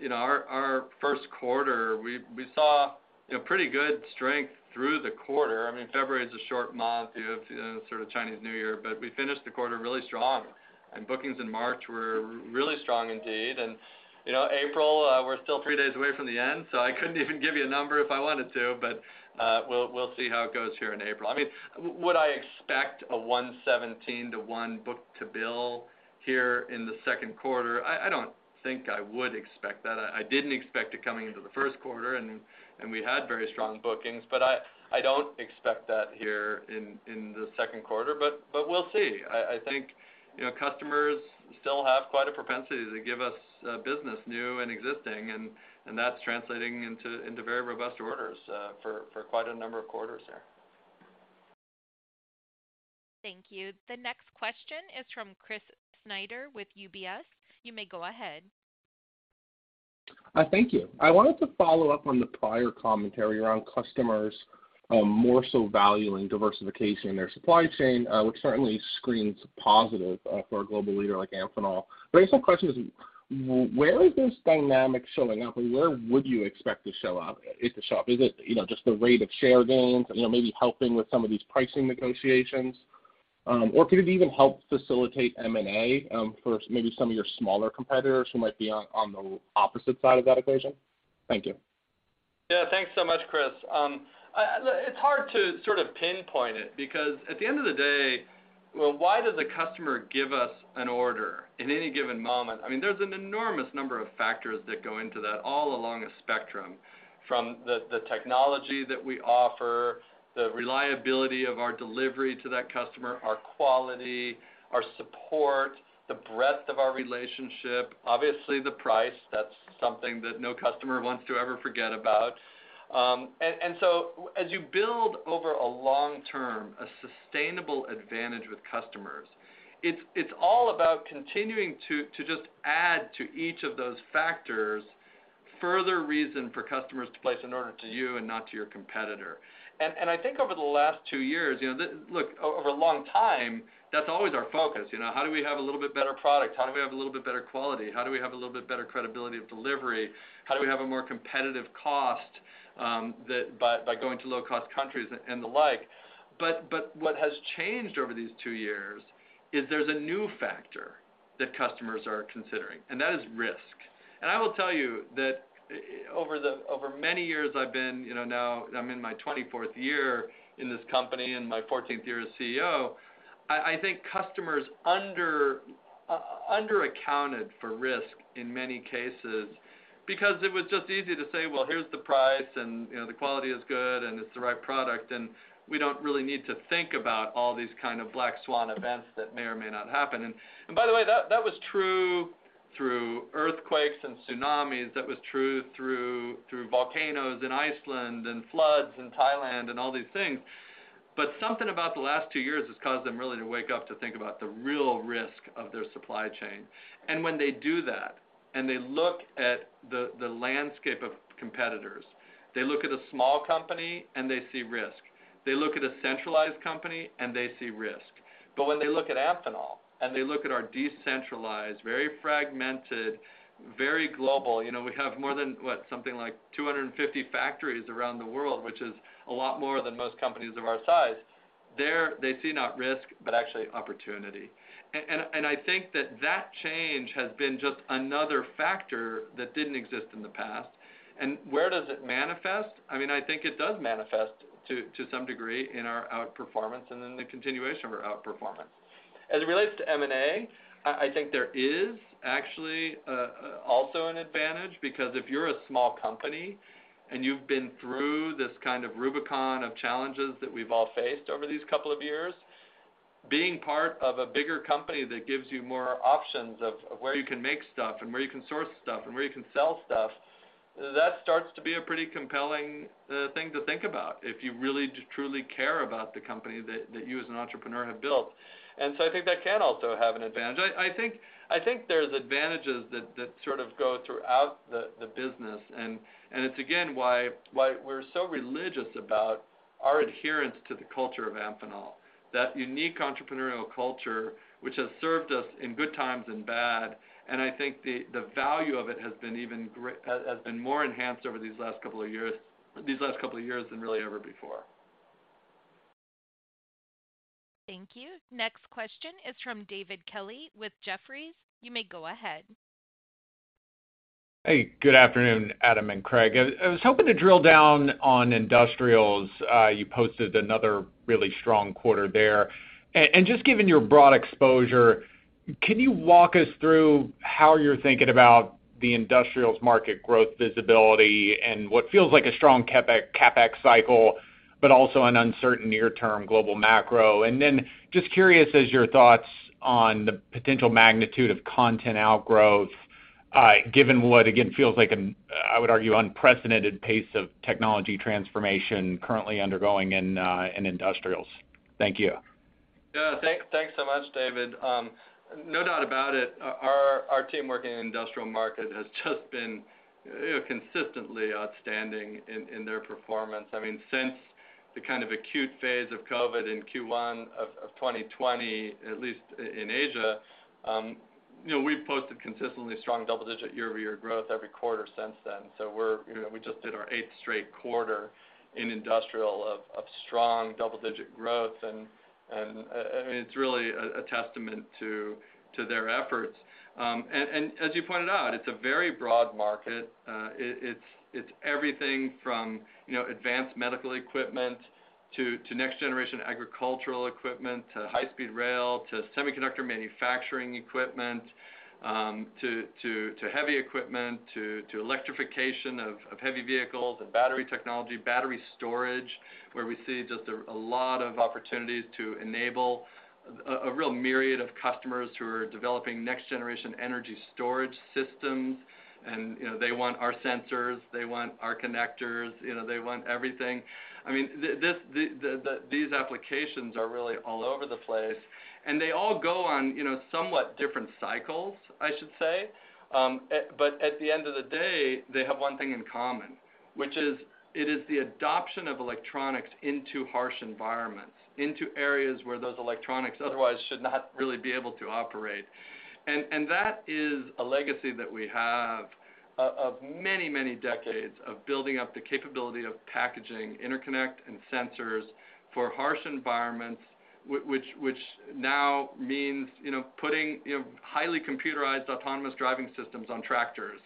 you know, our first quarter, we saw you know pretty good strength through the quarter. I mean, February is a short month. You have you know sort of Chinese New Year, we finished the quarter really strong, and bookings in March were really strong indeed. You know, April, we're still three days away from the end, so I couldn't even give you a number if I wanted to. We'll see how it goes here in April. I mean, would I expect a 1.17 to 1 book-to-bill here in the second quarter? I don't think I would expect that. I didn't expect it coming into the first quarter, and we had very strong bookings. I don't expect that here in the second quarter, but we'll see. I think, you know, customers still have quite a propensity to give us business, new and existing, and that's translating into very robust orders for quite a number of quarters there. Thank you. The next question is from Chris Snyder with UBS. You may go ahead. Thank you. I wanted to follow up on the prior commentary around customers, more so valuing diversification in their supply chain, which certainly screens positive, for a global leader like Amphenol. I guess my question is, where is this dynamic showing up, and where would you expect it to show up? Is it, you know, just the rate of share gains, you know, maybe helping with some of these pricing negotiations or could it even help facilitate M&A, for maybe some of your smaller competitors who might be on the opposite side of that equation? Thank you. Yeah. Thanks so much, Chris. Look, it's hard to sort of pinpoint it because at the end of the day, well, why does a customer give us an order in any given moment? I mean, there's an enormous number of factors that go into that all along a spectrum, from the technology that we offer, the reliability of our delivery to that customer, our quality, our support, the breadth of our relationship, obviously the price. That's something that no customer wants to ever forget about. As you build over a long term, a sustainable advantage with customers, it's all about continuing to just add to each of those factors further reason for customers to place an order to you and not to your competitor. I think over the last two years, you know, look, over a long time, that's always our focus. You know, how do we have a little bit better product? How do we have a little bit better quality? How do we have a little bit better credibility of delivery? How do we have a more competitive cost, by going to low-cost countries and the like? What has changed over these two years is there's a new factor that customers are considering, and that is risk. I will tell you that over many years I've been, you know, now I'm in my 24th year in this company and my 14th year as CEO. I think customers under accounted for risk in many cases because it was just easy to say, "Well, here's the price, and, you know, the quality is good, and it's the right product, and we don't really need to think about all these kind of black swan events that may or may not happen." By the way, that was true through earthquakes and tsunamis. That was true through volcanoes in Iceland and floods in Thailand and all these things, but something about the last two years has caused them really to wake up to think about the real risk of their supply chain. When they do that, and they look at the landscape of competitors, they look at a small company, and they see risk. They look at a centralized company, and they see risk. When they look at Amphenol, and they look at our decentralized, very fragmented, very global. You know, we have more than, what? Something like 250 factories around the world, which is a lot more than most companies of our size. There they see not risk, but actually opportunity. I think that change has been just another factor that didn't exist in the past. Where does it manifest? I mean, I think it does manifest to some degree in our outperformance and in the continuation of our outperformance. As it relates to M&A, I think there is actually also an advantage because if you're a small company, and you've been through this kind of Rubicon of challenges that we've all faced over these couple of years, being part of a bigger company that gives you more options of where you can make stuff and where you can source stuff and where you can sell stuff, that starts to be a pretty compelling thing to think about if you really truly care about the company that you as an entrepreneur have built. I think that can also have an advantage. I think there's advantages that sort of go throughout the business and it's again why we're so religious about our adherence to the culture of Amphenol, that unique entrepreneurial culture, which has served us in good times and bad, and I think the value of it has been more enhanced over these last couple of years than really ever before. Thank you. Next question is from David Kelley with Jefferies. You may go ahead. Hey, good afternoon, Adam and Craig. I was hoping to drill down on industrials. You posted another really strong quarter there. Just given your broad exposure, can you walk us through how you're thinking about the industrials market growth visibility and what feels like a strong CapEx cycle, but also an uncertain near-term global macro? Just curious as your thoughts on the potential magnitude of content outgrowth, given what again feels like an unprecedented pace of technology transformation currently undergoing in industrials, I would argue. Thank you. Yeah. Thanks so much, David. No doubt about it, our team working in industrial market has just been, you know, consistently outstanding in their performance. I mean, since the acute phase of COVID in Q1 of 2020, at least in Asia, you know, we've posted consistently strong double-digit year-over-year growth every quarter since then. We're, you know, we just did our eighth straight quarter in industrial of strong double-digit growth and I mean, it's really a testament to their efforts and as you pointed out, it's a very broad market. It's everything from, you know, advanced medical equipment to next generation agricultural equipment, to high-speed rail, to semiconductor manufacturing equipment, to heavy equipment, to electrification of heavy vehicles and battery technology, battery storage, where we see just a lot of opportunities to enable a real myriad of customers who are developing next generation energy storage systems and, you know, they want our sensors. They want our connectors. You know, they want everything. I mean, these applications are really all over the place, and they all go on, you know, somewhat different cycles, I should say. At the end of the day, they have one thing in common, which is it is the adoption of electronics into harsh environments, into areas where those electronics otherwise should not really be able to operate. That is a legacy that we have of many decades of building up the capability of packaging, interconnect, and sensors for harsh environments which now means, you know, putting, you know, highly computerized autonomous driving systems on tractors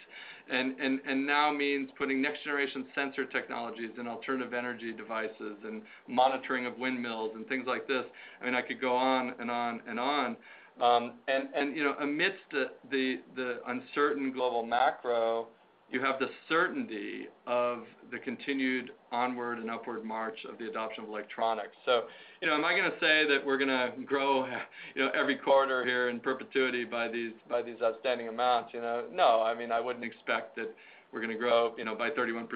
and now means putting next generation sensor technologies in alternative energy devices and monitoring of windmills and things like this. I mean, I could go on and on and on. You know, amidst the uncertain global macro, you have the certainty of the continued onward and upward march of the adoption of electronics. You know, am I gonna say that we're gonna grow every quarter here in perpetuity by these outstanding amounts, you know? No. I mean, I wouldn't expect that we're gonna grow, you know, by 31%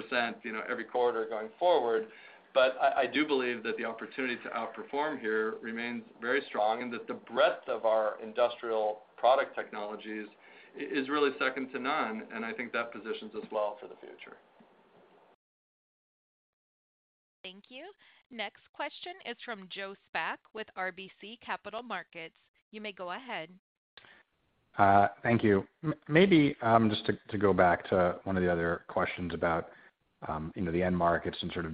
every quarter going forward. I do believe that the opportunity to outperform here remains very strong and that the breadth of our industrial product technologies is really second to none, and I think that positions us well for the future. Thank you. Next question is from Joe Spak with RBC Capital Markets. You may go ahead. Thank you. Maybe just to go back to one of the other questions about, you know, the end markets and sort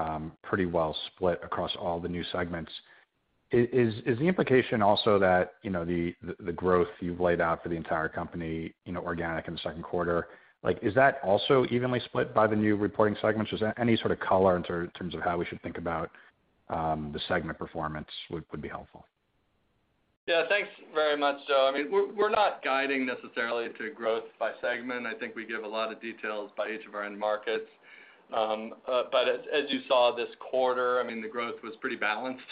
of being pretty well split across all the new segments. Is the implication also that, you know, the growth you've laid out for the entire company, you know, organic in the second quarter, like, is that also evenly split by the new reporting segments? Just any sort of color in terms of how we should think about the segment performance would be helpful. Yeah. Thanks very much, Joe. I mean, we're not guiding necessarily to growth by segment. I think we give a lot of details by each of our end markets. As you saw this quarter, I mean, the growth was pretty balanced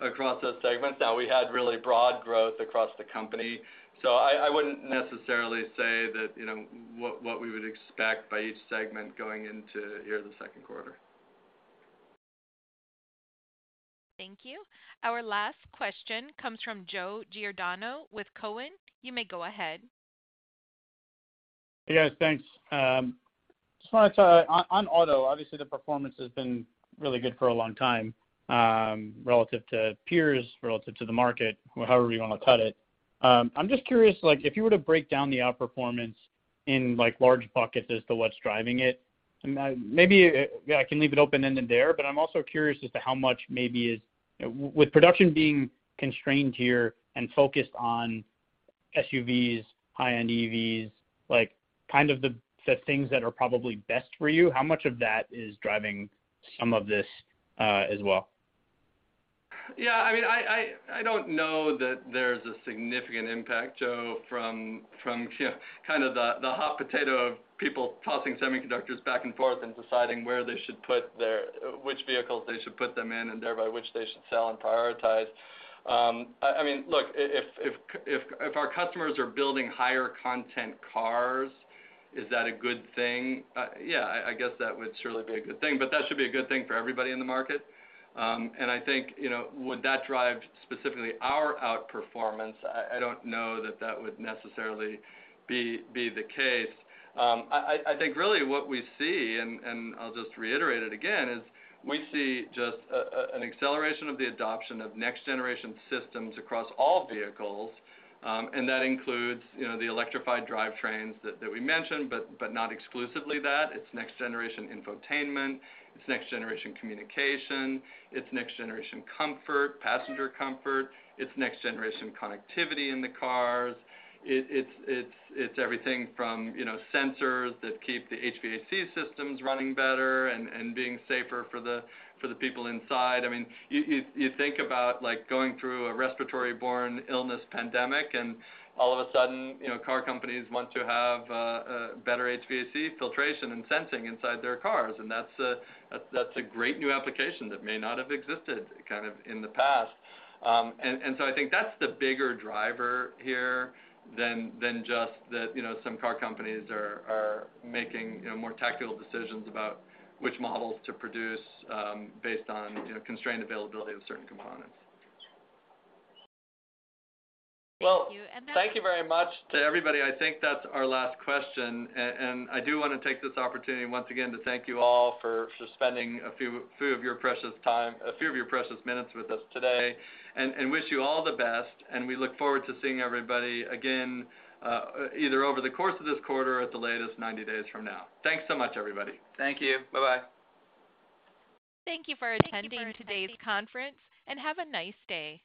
across those segments, that we had really broad growth across the company. I wouldn't necessarily say that, you know, what we would expect by each segment going into here the second quarter. Thank you. Our last question comes from Joe Giordano with Cowen. You may go ahead. Yes, thanks. Just wanna talk on auto, obviously the performance has been really good for a long time, relative to peers, relative to the market or however you wanna cut it. I'm just curious, like if you were to break down the outperformance in like large buckets as to what's driving it, and maybe I can leave it open-ended there, but I'm also curious as to how much with production being constrained here and focused on SUVs, high-end EVs, like kind of the things that are probably best for you, how much of that is driving some of this, as well? Yeah. I mean, I don't know that there's a significant impact, Joe, from you know, kind of the hot potato of people tossing semiconductors back and forth and deciding which vehicles they should put them in, and thereby which they should sell and prioritize. I mean, look, if our customers are building higher content cars, is that a good thing? Yeah, I guess that would surely be a good thing, but that should be a good thing for everybody in the market. I think, you know, would that drive specifically our outperformance? I don't know that that would necessarily be the case. I think really what we see, and I'll just reiterate it again, is we see just an acceleration of the adoption of next-generation systems across all vehicles, and that includes, you know, the electrified drivetrains that we mentioned, but not exclusively that. It's next-generation infotainment. It's next-generation communication. It's next-generation comfort, passenger comfort. It's next-generation connectivity in the cars. It's everything from, you know, sensors that keep the HVAC systems running better and being safer for the people inside. I mean, you think about like going through a respiratory-borne illness pandemic, and all of a sudden, you know, car companies want to have better HVAC filtration and sensing inside their cars, and that's a great new application that may not have existed in the past. I think that's the bigger driver here than just that, you know, some car companies are making, you know, more tactical decisions about which models to produce, based on, you know, constrained availability of certain components. Thank you. Well, thank you very much to everybody. I think that's our last question. I do wanna take this opportunity once again to thank you all for spending a few of your precious minutes with us today and wish you all the best, and we look forward to seeing everybody again, either over the course of this quarter or at the latest, 90 days from now. Thanks so much, everybody. Thank you. Bye-bye. Thank you for attending today's conference, and have a nice day.